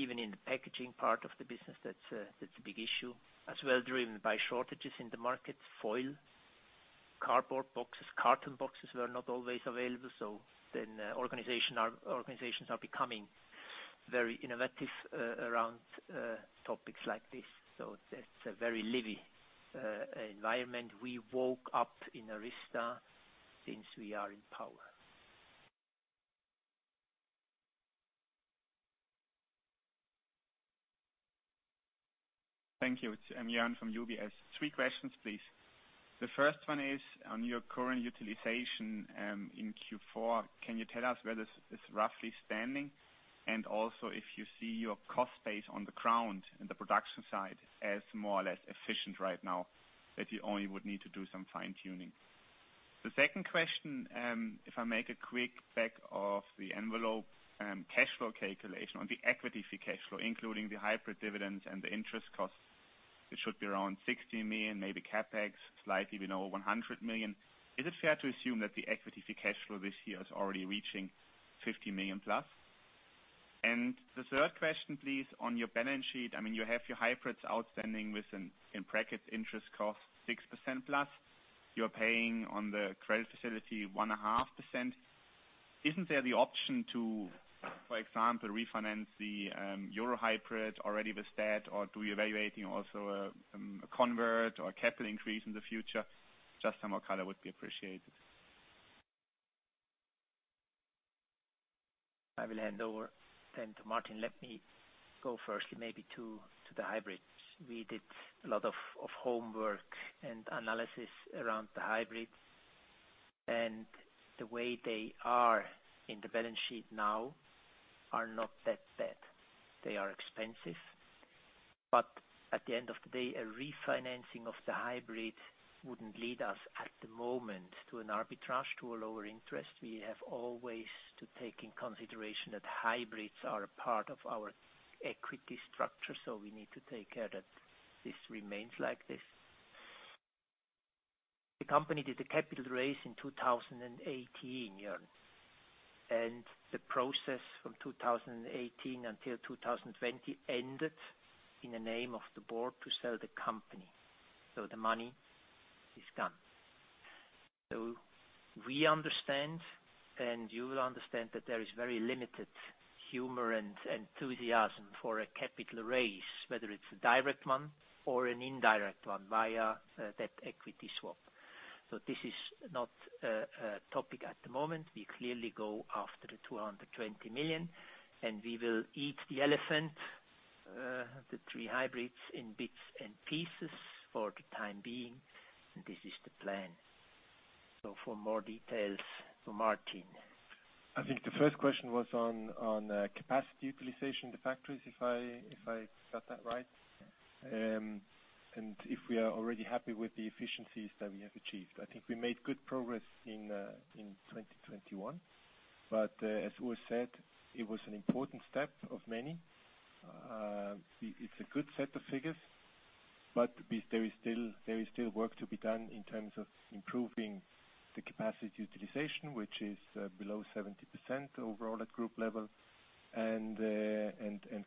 B: even in the packaging part of the business. That's a big issue. As well driven by shortages in the market. Foil, cardboard boxes, carton boxes were not always available. Organizations are becoming very innovative around topics like this. That's a very lively environment we woke up in ARYZTA since we are in power.
E: Thank you. It's Jörn from UBS. Three questions, please. The first one is on your current utilization, in Q4, can you tell us where this is roughly standing? Also if you see your cost base on the ground and the production side as more or less efficient right now, that you only would need to do some fine-tuning. The second question, if I make a quick back of the envelope, cash flow calculation on the equity free cash flow, including the hybrid dividends and the interest costs, it should be around 60 million, maybe CapEx slightly below 100 million. Is it fair to assume that the equity free cash flow this year is already reaching 50 million+? The third question, please, on your balance sheet, you have your hybrids outstanding with an interest cost 6%+. You're paying on the credit facility 1.5%. Isn't there the option to, for example, refinance the EUR hybrid already with debt? Do you evaluate also a convert or a capital increase in the future? Just some more color would be appreciated.
B: I will hand over to Martin. Let me go first maybe to the hybrids. We did a lot of homework and analysis around the hybrids, the way they are in the balance sheet now are not that bad. They are expensive, at the end of the day, a refinancing of the hybrids wouldn't lead us at the moment to an arbitrage to a lower interest. We have always to take in consideration that hybrids are a part of our equity structure, we need to take care that this remains like this. The company did a capital raise in 2018 year, the process from 2018 until 2020 ended in the name of the board to sell the company. The money is gone. We understand, and you will understand that there is very limited humor and enthusiasm for a capital raise, whether it's a direct one or an indirect one via, debt-equity swap. This is not a topic at the moment. We clearly go after the 220 million, and we will eat the elephant, the three hybrids in bits and pieces for the time being. This is the plan. For more details for Martin.
C: I think the first question was on capacity utilization, the factories, if I got that right. If we are already happy with the efficiencies that we have achieved. I think we made good progress in 2021. As Urs said, it was an important step of many. It's a good set of figures, but there is still work to be done in terms of improving the capacity utilization, which is below 70% overall at group level.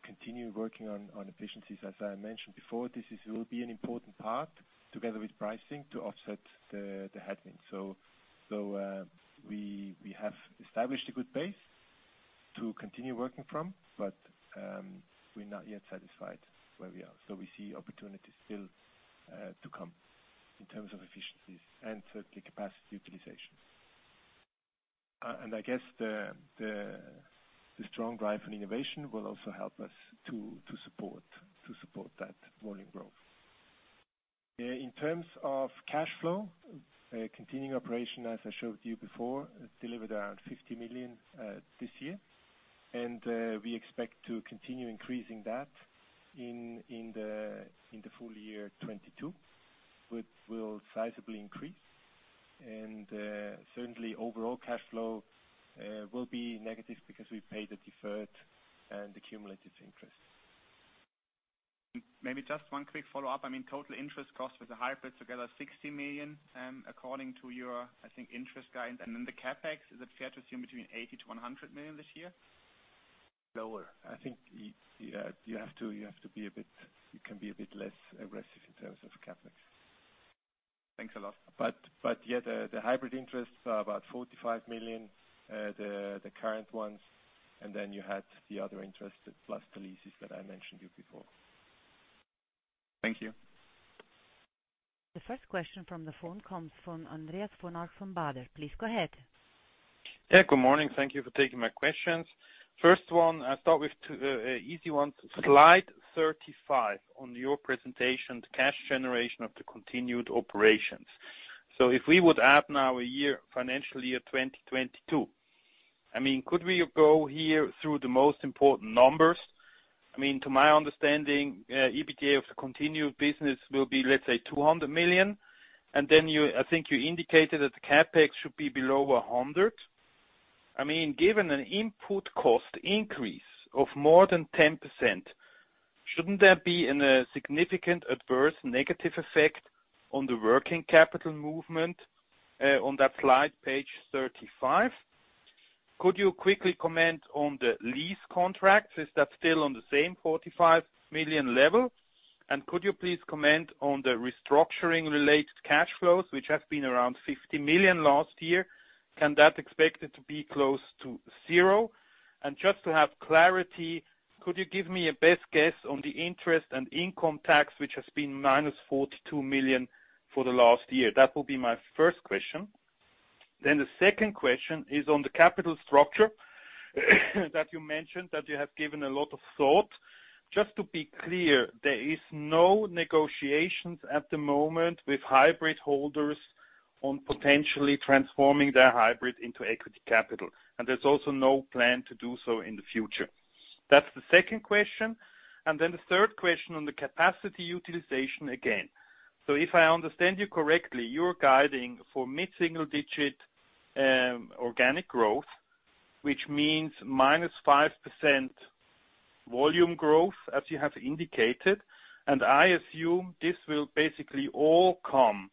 C: Continue working on efficiencies. As I mentioned before, this will be an important part together with pricing to offset the headwind. We have established a good base to continue working from, but, we're not yet satisfied where we are. We see opportunities still to come in terms of efficiencies and certainly capacity utilization. I guess the strong drive for innovation will also help us to support that volume growth. In terms of cash flow, continuing operation, as I showed you before, delivered around 50 million this year. We expect to continue increasing that in the full year 2022, which will sizably increase. Certainly overall cash flow will be negative because we paid the deferred and accumulated interest.
E: Maybe just one quick follow-up. Total interest cost with the hybrid together, 60 million, according to your, I think, interest guide. The CapEx, is it fair to assume between 80 million-100 million this year?
C: Lower. I think you can be a bit less aggressive in terms of CapEx.
E: Thanks a lot.
C: Yeah, the hybrid interests are about 45 million, the current ones. You had the other interest, plus the leases that I mentioned to you before.
E: Thank you.
F: The first question from the phone comes from Andreas von Arx from Baader. Please go ahead.
G: Good morning. Thank you for taking my questions. First one, I'll start with two easy ones. Slide 35 on your presentation, the cash generation of the continued operations. If we would add now a financial year 2022, could we go here through the most important numbers? To my understanding, EBITDA of the continued business will be, let's say, 200 million. I think you indicated that the CapEx should be below 100 million. Given an input cost increase of more than 10%, shouldn't there be a significant adverse negative effect on the working capital movement, on that slide, page 35? Could you quickly comment on the lease contracts? Is that still on the same 45 million level? Could you please comment on the restructuring related cash flows, which have been around 50 million last year? That expected to be close to zero. Just to have clarity, could you give me a best guess on the interest and income tax, which has been minus 42 million for the last year? That will be my first question. The second question is on the capital structure that you mentioned that you have given a lot of thought. Just to be clear, there is no negotiations at the moment with hybrid holders on potentially transforming their hybrid into equity capital. There's also no plan to do so in the future. That's the second question. The third question on the capacity utilization again. If I understand you correctly, you're guiding for mid-single digit organic growth, which means minus 5% volume growth as you have indicated. I assume this will basically all come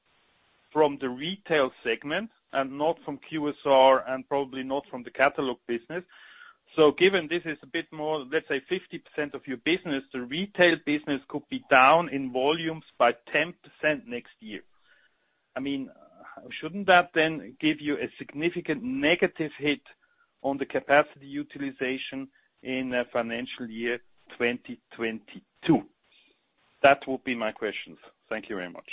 G: from the retail segment and not from QSR and probably not from the catalog business. Given this is a bit more, let's say, 50% of your business, the retail business could be down in volumes by 10% next year. Shouldn't that then give you a significant negative hit on the capacity utilization in financial year 2022? That would be my questions. Thank you very much.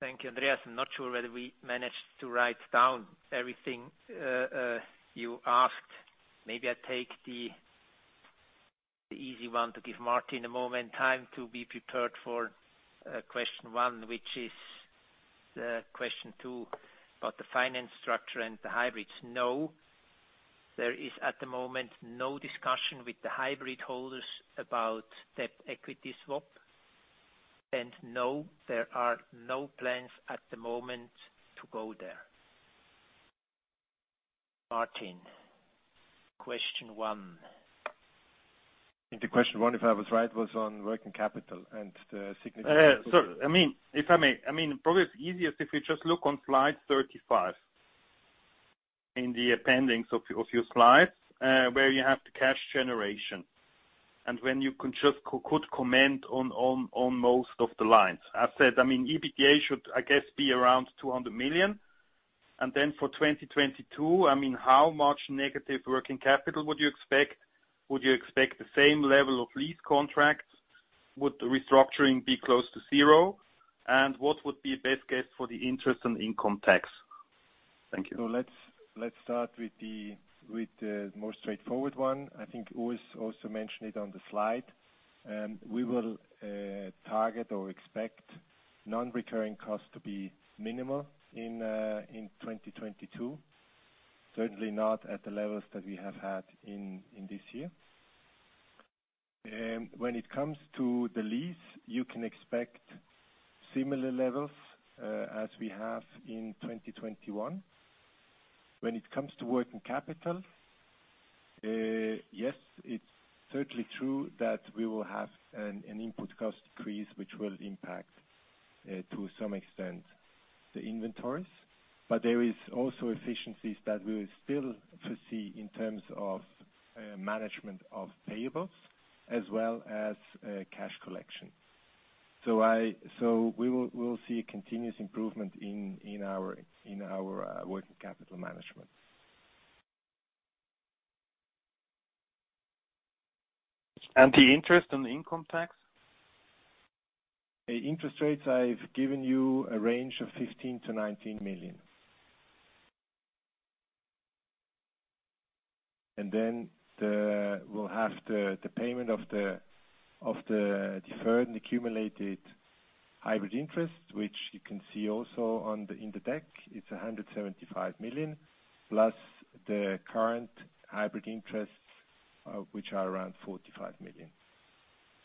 B: Thank you, Andreas. I'm not sure whether we managed to write down everything you asked. Maybe I take the easy one to give Martin Huber a moment, time to be prepared for question one, which is the question two about the finance structure and the hybrids. No, there is at the moment no discussion with the hybrid holders about debt/equity swap. No, there are no plans at the moment to go there. Martin Huber, question one.
C: I think the question one, if I was right, was on working capital.
G: If I may. Probably it's easiest if we just look on slide 35 in the appendix of your slides, where you have the cash generation. When you could comment on most of the lines. I said, EBITDA should, I guess, be around 200 million. For 2022, how much negative working capital would you expect? Would you expect the same level of lease contracts? Would the restructuring be close to zero? What would be best guess for the interest and income tax? Thank you.
C: Let's start with the most straightforward one. I think Urs also mentioned it on the slide. We will target or expect non-recurring costs to be minimal in 2022, certainly not at the levels that we have had in this year. When it comes to the lease, you can expect similar levels as we have in 2021. When it comes to working capital, yes, it's certainly true that we will have an input cost increase, which will impact, to some extent, the inventories. There is also efficiencies that we will still foresee in terms of management of payables as well as cash collection. We will see a continuous improvement in our working capital management.
G: The interest and income tax?
C: Interest rates, I've given you a range of 15 million-19 million. We'll have the payment of the deferred and accumulated hybrid interest, which you can see also in the deck. It's 175 million plus the current hybrid interests, which are around 45 million.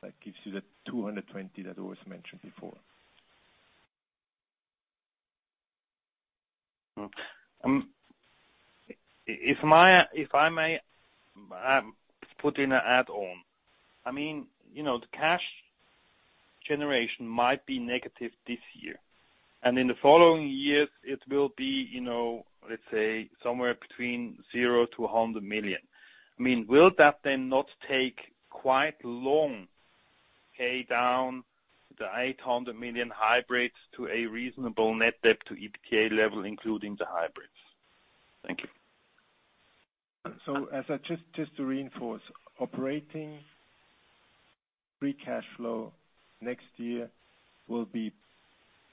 C: That gives you the 220 million that Urs mentioned before.
G: If I may put in an add-on. The cash generation might be negative this year, and in the following years, it will be, let's say, somewhere between 0-100 million. Will that then not take quite long pay down the 800 million hybrids to a reasonable net debt to EBITDA level, including the hybrids? Thank you.
C: Just to reinforce, operating free cash flow next year will be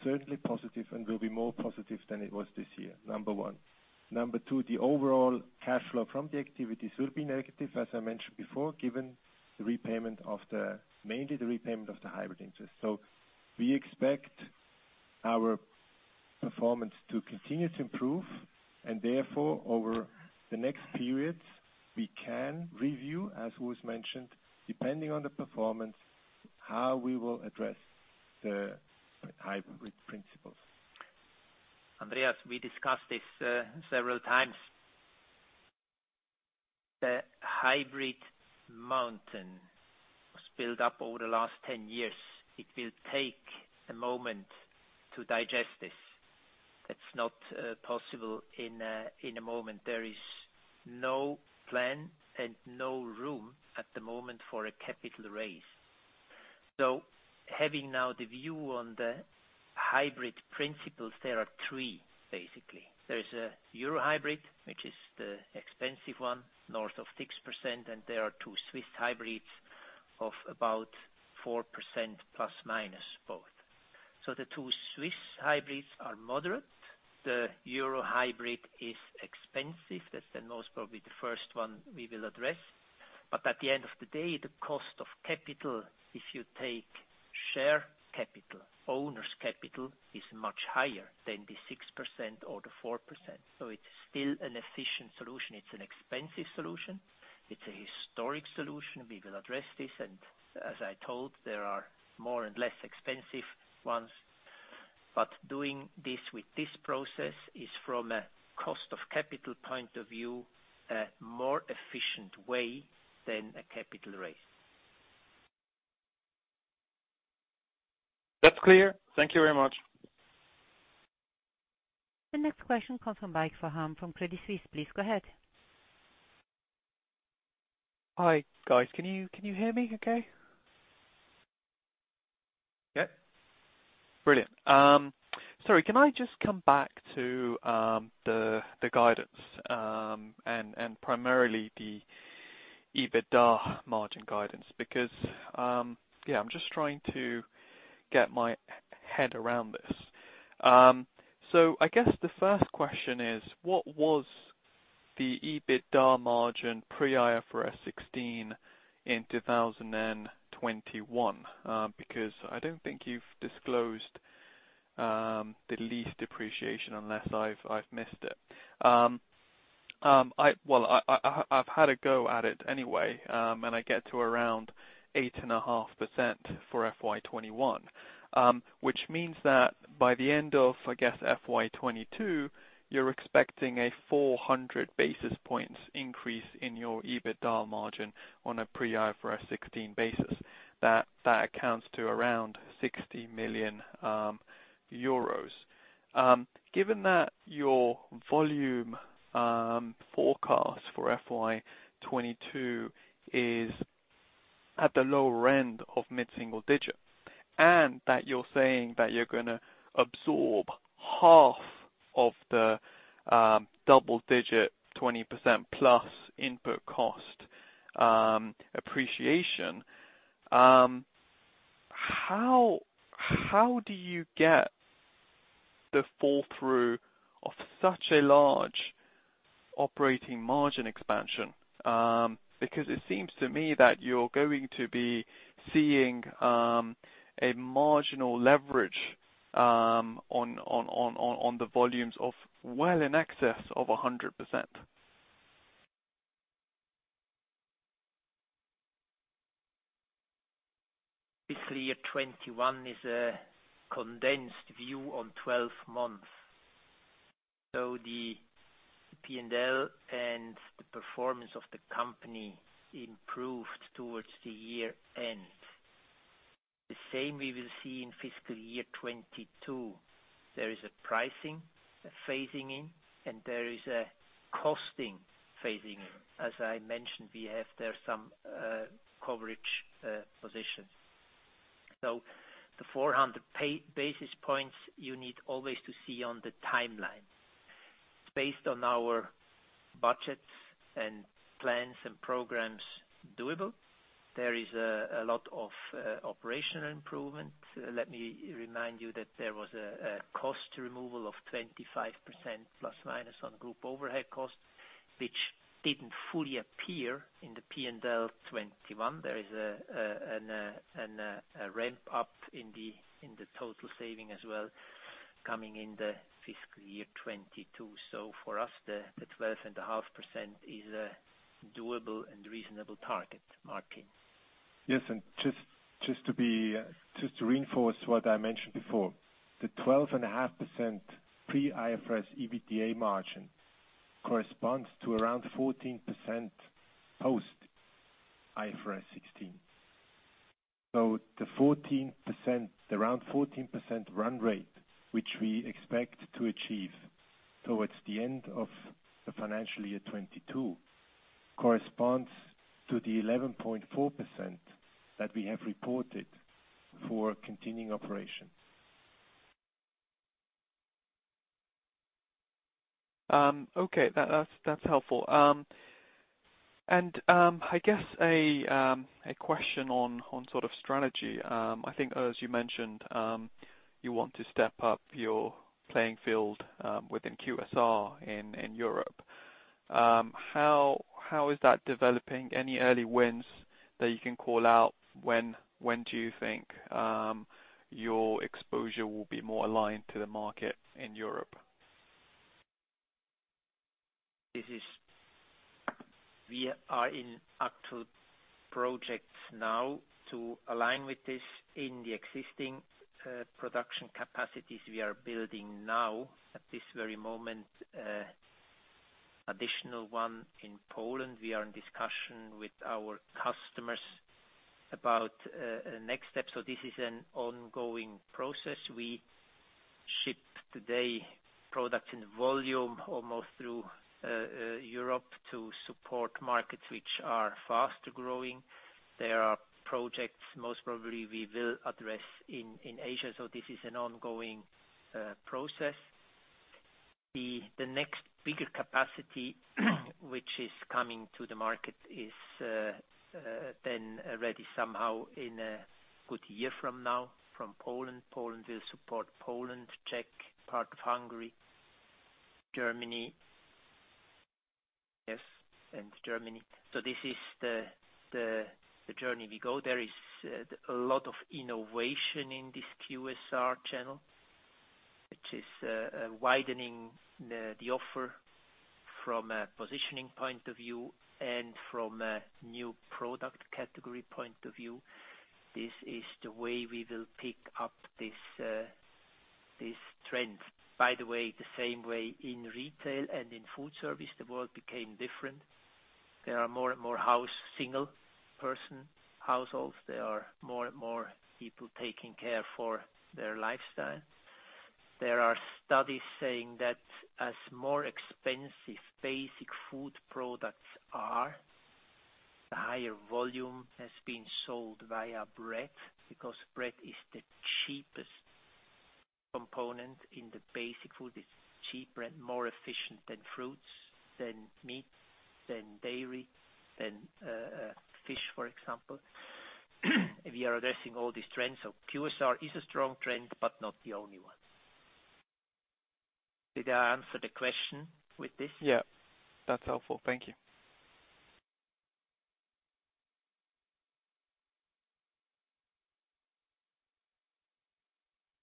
C: certainly positive and will be more positive than it was this year, number one. Number two, the overall cash flow from the activities will be negative, as I mentioned before, given mainly the repayment of the hybrid interest. Over the next periods, we can review, as Urs mentioned, depending on the performance, how we will address the hybrid principles.
B: Andreas, we discussed this several times. The hybrid mountain was built up over the last 10 years. It will take a moment to digest this. That's not possible in a moment. There is no plan and no room at the moment for a capital raise. Having now the view on the hybrid principles, there are three basically. There is a EUR hybrid, which is the expensive one, north of 6%, and there are two CHF hybrids of about 4% ± both. The two CHF hybrids are moderate. The EUR hybrid is expensive. That's the most probably the first one we will address. At the end of the day, the cost of capital, if you take share capital, owner's capital is much higher than the 6% or the 4%. It's still an efficient solution. It's an expensive solution. It's a historic solution. We will address this, and as I told, there are more and less expensive ones, but doing this with this process is, from a cost of capital point of view, a more efficient way than a capital raise.
G: That's clear. Thank you very much.
F: The next question comes from Baig Faham from Credit Suisse. Please go ahead.
H: Hi, guys. Can you hear me okay?
B: Yep.
H: Brilliant. Sorry, can I just come back to the guidance, and primarily the EBITDA margin guidance because, yeah, I'm just trying to get my head around this. I guess the first question is, what was the EBITDA margin pre-IFRS 16 in 2021? I don't think you've disclosed the lease depreciation unless I've missed it. Well, I've had a go at it anyway, and I get to around 8.5% for FY 2021. Which means that by the end of, I guess, FY 2022, you're expecting a 400 basis points increase in your EBITDA margin on a pre-IFRS 16 basis. That accounts to around 60 million euros. Given that your volume forecast for FY 2022 is at the lower end of mid-single digit, and that you're saying that you're going to absorb half of the double-digit 20%+ input cost appreciation, how do you get the fall-through of such a large operating margin expansion? Because it seems to me that you're going to be seeing a marginal leverage on the volumes of well in excess of 100%.
B: Fiscal year 2021 is a condensed view on 12 months. The P&L and the performance of the company improved towards the year end. The same we will see in fiscal year 2022. There is a pricing, a phasing in, and there is a costing phasing in. As I mentioned, we have there some coverage position. The 400 basis points you need always to see on the timeline. It's based on our budgets and plans and programs doable. There is a lot of operational improvement. Let me remind you that there was a cost removal of 25% plus minus on group overhead costs, which didn't fully appear in the P&L 2021. There is a ramp-up in the total saving as well coming in the fiscal year 2022. For us, the 12.5% is a doable and reasonable target, Martin.
C: Yes, just to reinforce what I mentioned before, the 12.5% pre-IFRS EBITDA margin corresponds to around 14% post IFRS 16. The around 14% run rate, which we expect to achieve towards the end of the financial year 2022, corresponds to the 11.4% that we have reported for continuing operations.
H: Okay. That's helpful. I guess a question on sort of strategy. I think, Urs, you mentioned you want to step up your playing field within QSR in Europe. How is that developing? Any early wins that you can call out? When do you think your exposure will be more aligned to the market in Europe?
B: We are in actual projects now to align with this in the existing production capacities we are building now at this very moment, additional one in Poland. We are in discussion with our customers about a next step. This is an ongoing process. We ship today products in volume almost through Europe to support markets which are faster-growing. There are projects most probably we will address in Asia. This is an ongoing process. The next bigger capacity which is coming to the market is then ready somehow in a good year from now, from Poland. Poland will support Poland, Czech, part of Hungary. Germany. Yes, Germany. This is the journey we go. There is a lot of innovation in this QSR channel, which is widening the offer from a positioning point of view and from a new product category point of view. This is the way we will pick up this trend. By the way, the same way in retail and in food service, the world became different. There are more and more single-person households. There are more and more people taking care for their lifestyle. There are studies saying that as more expensive basic food products are, the higher volume has been sold via bread, because bread is the cheapest component in the basic food. It's cheaper and more efficient than fruits, than meat, than dairy, than fish, for example. We are addressing all these trends, so QSR is a strong trend, but not the only one. Did I answer the question with this?
H: Yeah. That's helpful. Thank you.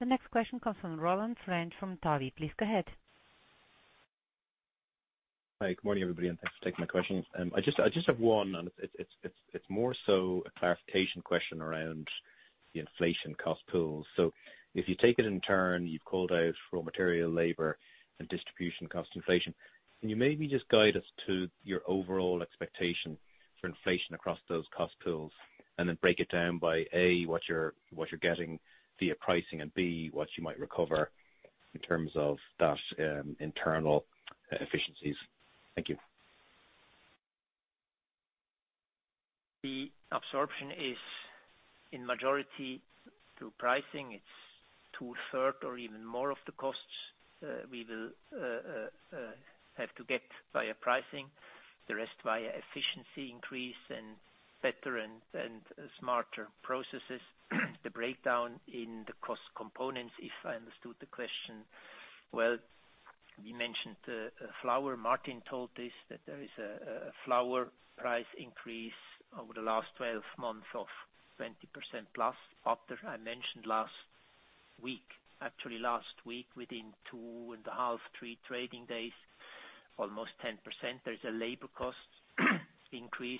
F: The next question comes from Roland French from Davy. Please go ahead.
I: Hi, good morning, everybody, and thanks for taking my questions. I just have one, and it's more so a clarification question around the inflation cost pool. If you take it in turn, you've called out raw material, labor, and distribution cost inflation. Can you maybe just guide us to your overall expectation for inflation across those cost pools, and then break it down by, A, what you're getting via pricing, and B, what you might recover in terms of that internal efficiencies? Thank you.
B: The absorption is in majority through pricing. It's two third or even more of the costs we will have to get via pricing. The rest via efficiency increase and better and smarter processes. The breakdown in the cost components, if I understood the question, well, we mentioned flour. Martin told this, that there is a flour price increase over the last 12 months of 20%+. Butter, I mentioned last week. Actually, last week, within 2.5 to three trading days, almost 10%. There is a labor cost increase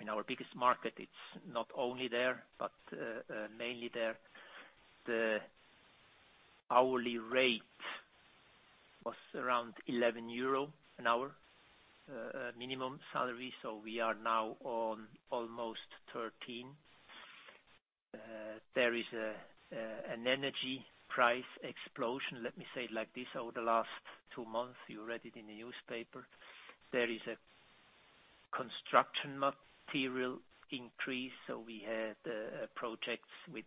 B: in our biggest market. It's not only there, but mainly there. The hourly rate was around 11 euro an hour, minimum salary. We are now on almost 13. There is an energy price explosion, let me say it like this, over the last two months. You read it in the newspaper. There is a construction material increase. We had projects with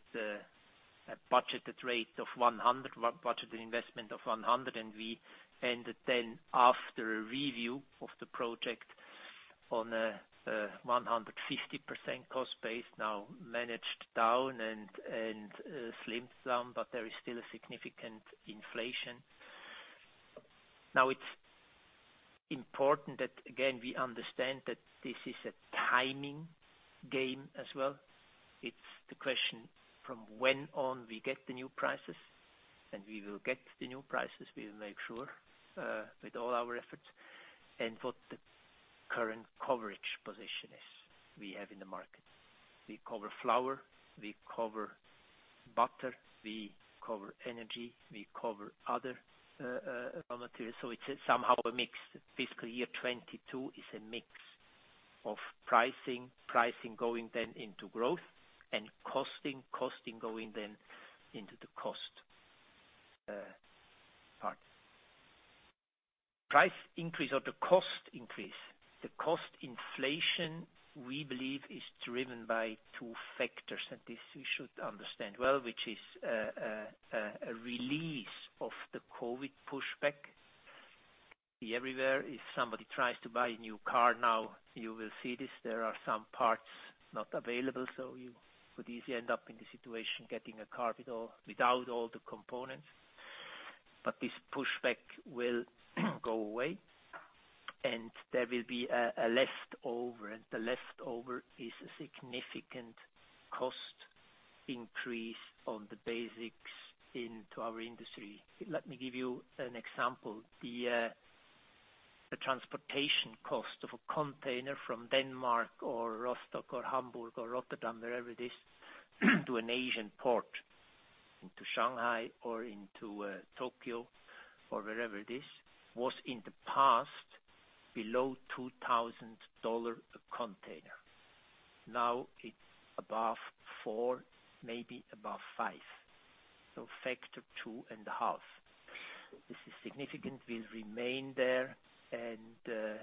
B: a budgeted investment of 100, and we ended then after a review of the project on a 150% cost base, now managed down and slimmed some, but there is still a significant inflation. It's important that, again, we understand that this is a timing game as well. It's the question from when on we get the new prices, and we will get the new prices, we will make sure with all our efforts, and what the current coverage position is we have in the market. We cover flour, we cover butter, we cover energy, we cover other raw materials. It's somehow a mix. Fiscal year 2022 is a mix of pricing going then into growth, and costing going then into the cost part. Price increase or the cost increase. The cost inflation, we believe is driven by two factors, and this we should understand well, which is a release of the COVID pushback. Everywhere, if somebody tries to buy a new car now, you will see this, there are some parts not available. You could easily end up in the situation getting a car without all the components. This pushback will go away, and there will be a leftover. The leftover is a significant cost increase on the basics into our industry. Let me give you an example. The transportation cost of a container from Denmark or Rostock or Hamburg or Rotterdam, wherever it is, to an Asian port, into Shanghai or into Tokyo or wherever it is, was in the past below $2,000 a container. Now it's above $4,000, maybe above $5,000. Factor 2.5. This is significant, will remain there, and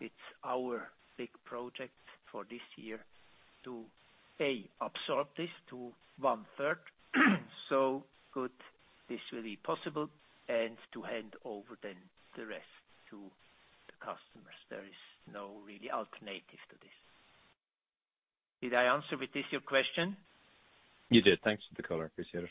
B: it's our big project for this year to absorb this to one third. Good this will be possible and to hand over then the rest to the customers. There is no really alternative to this. Did I answer with this your question?
I: You did. Thanks for the color. Appreciate it.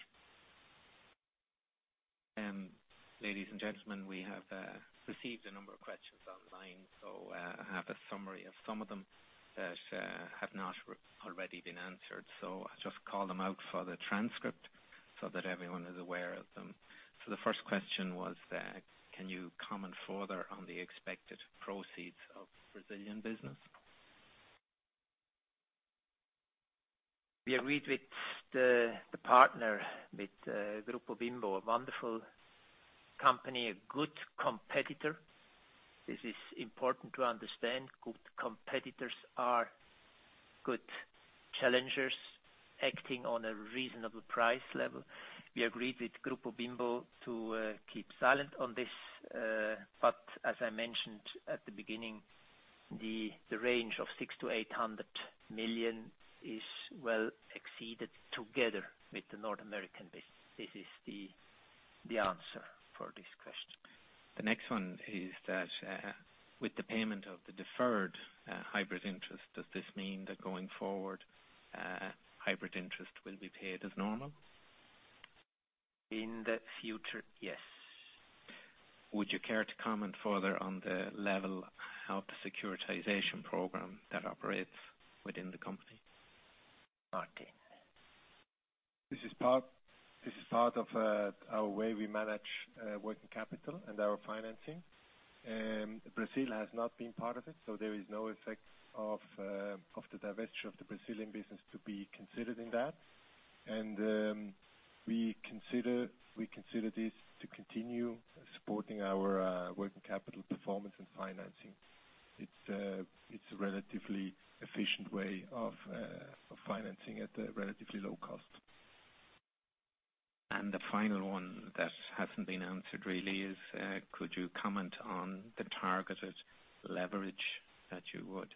A: Ladies and gentlemen, we have received a number of questions online, so I have a summary of some of them that have not already been answered. I'll just call them out for the transcript so that everyone is aware of them. The first question was that, can you comment further on the expected proceeds of Brazilian business?
B: We agreed with the partner, with Grupo Bimbo, a wonderful company, a good competitor. This is important to understand. Good competitors are good challengers acting on a reasonable price level. We agreed with Grupo Bimbo to keep silent on this. As I mentioned at the beginning, the range of $600 million-$800 million is well exceeded together with the North American business. This is the answer for this question.
A: The next one is that, with the payment of the deferred hybrid interest, does this mean that going forward, hybrid interest will be paid as normal?
B: In the future, yes.
A: Would you care to comment further on the level of the securitization program that operates within the company?
B: Martin.
C: This is part of our way we manage working capital and our financing. Brazil has not been part of it, so there is no effect of the divestment of the Brazilian business to be considered in that. We consider this to continue supporting our working capital performance and financing. It's a relatively efficient way of financing at a relatively low cost.
A: The final one that hasn't been answered really is, could you comment on the targeted leverage that you would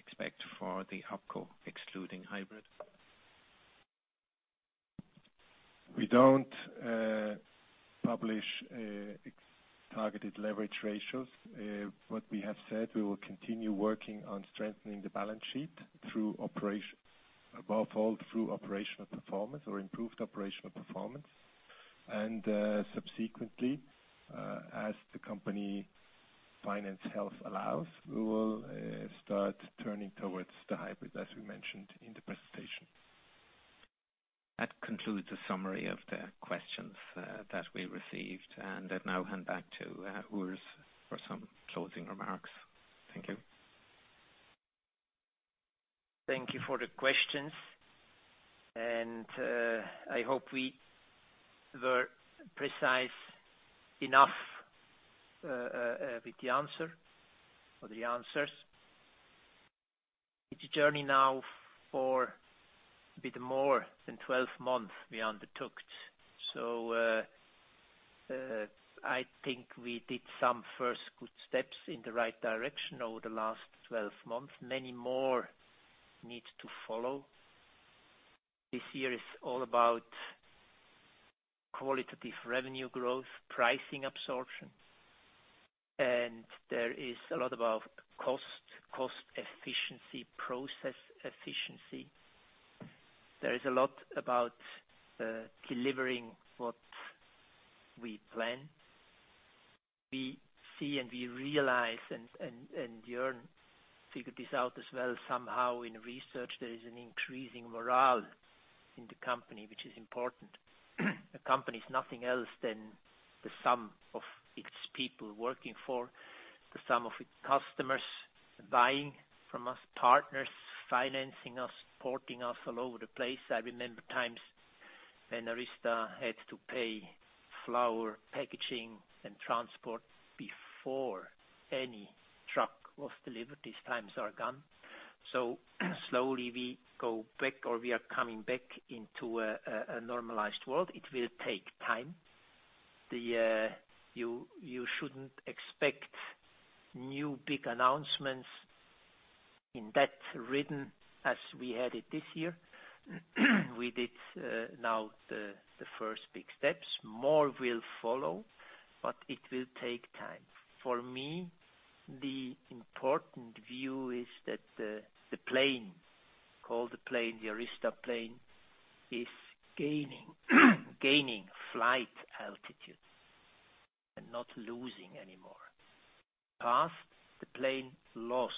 A: expect for the OpCo excluding hybrid?
C: We don't publish targeted leverage ratios. What we have said, we will continue working on strengthening the balance sheet above all through operational performance or improved operational performance. Subsequently, as the company financial health allows, we will start turning towards the hybrid, as we mentioned in the presentation.
A: That concludes the summary of the questions that we received. I now hand back to Urs for some closing remarks. Thank you.
B: Thank you for the questions. I hope we were precise enough with the answer or the answers. It's a journey now for a bit more than 12 months we undertook. I think we did some first good steps in the right direction over the last 12 months. Many more need to follow. This year is all about qualitative revenue growth, pricing absorption, and there is a lot about cost efficiency, process efficiency. There is a lot about delivering what we plan. We see and we realize and Jörn figured this out as well, somehow in research, there is an increasing morale in the company, which is important. A company is nothing else than the sum of its people working for, the sum of its customers buying from us, partners financing us, supporting us all over the place. I remember times when ARYZTA had to pay flour, packaging, and transport before any truck was delivered. These times are gone. Slowly we go back or we are coming back into a normalized world. It will take time. You shouldn't expect new big announcements in that rhythm as we had it this year. We did now the first big steps. More will follow, but it will take time. For me, the important view is that the plane, call the plane the ARYZTA plane, is gaining flight altitude and not losing anymore. In the past, the plane lost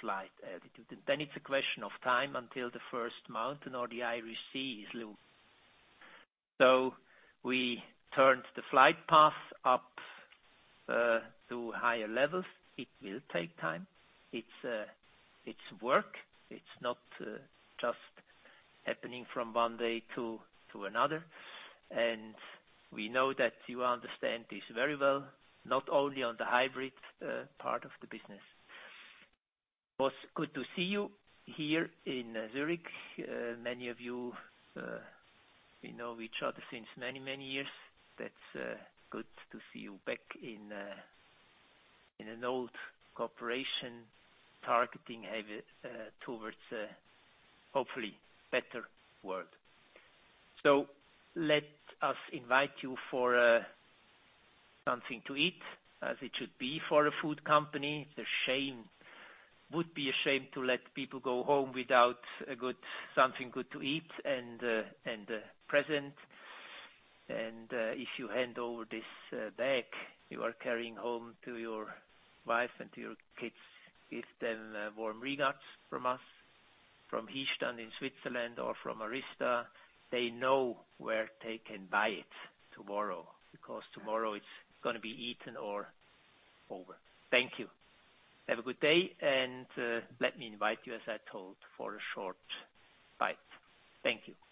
B: flight altitude, and then it's a question of time until the first mountain or the Irish Sea is low. We turned the flight path up to higher levels. It will take time. It's work. It's not just happening from one day to another. We know that you understand this very well, not only on the hybrid part of the business. It was good to see you here in Zurich. Many of you, we know each other since many, many years. That's good to see you back in an old cooperation targeting towards a hopefully better world. Let us invite you for something to eat, as it should be for a food company. It would be a shame to let people go home without something good to eat and a present. If you hand over this bag you are carrying home to your wife and to your kids, give them warm regards from us, from Uster in Switzerland or from ARYZTA. They know where they can buy it tomorrow, because tomorrow it's going to be eaten or over. Thank you.
A: Have a good day, and let me invite you, as I told, for a short bite. Thank you.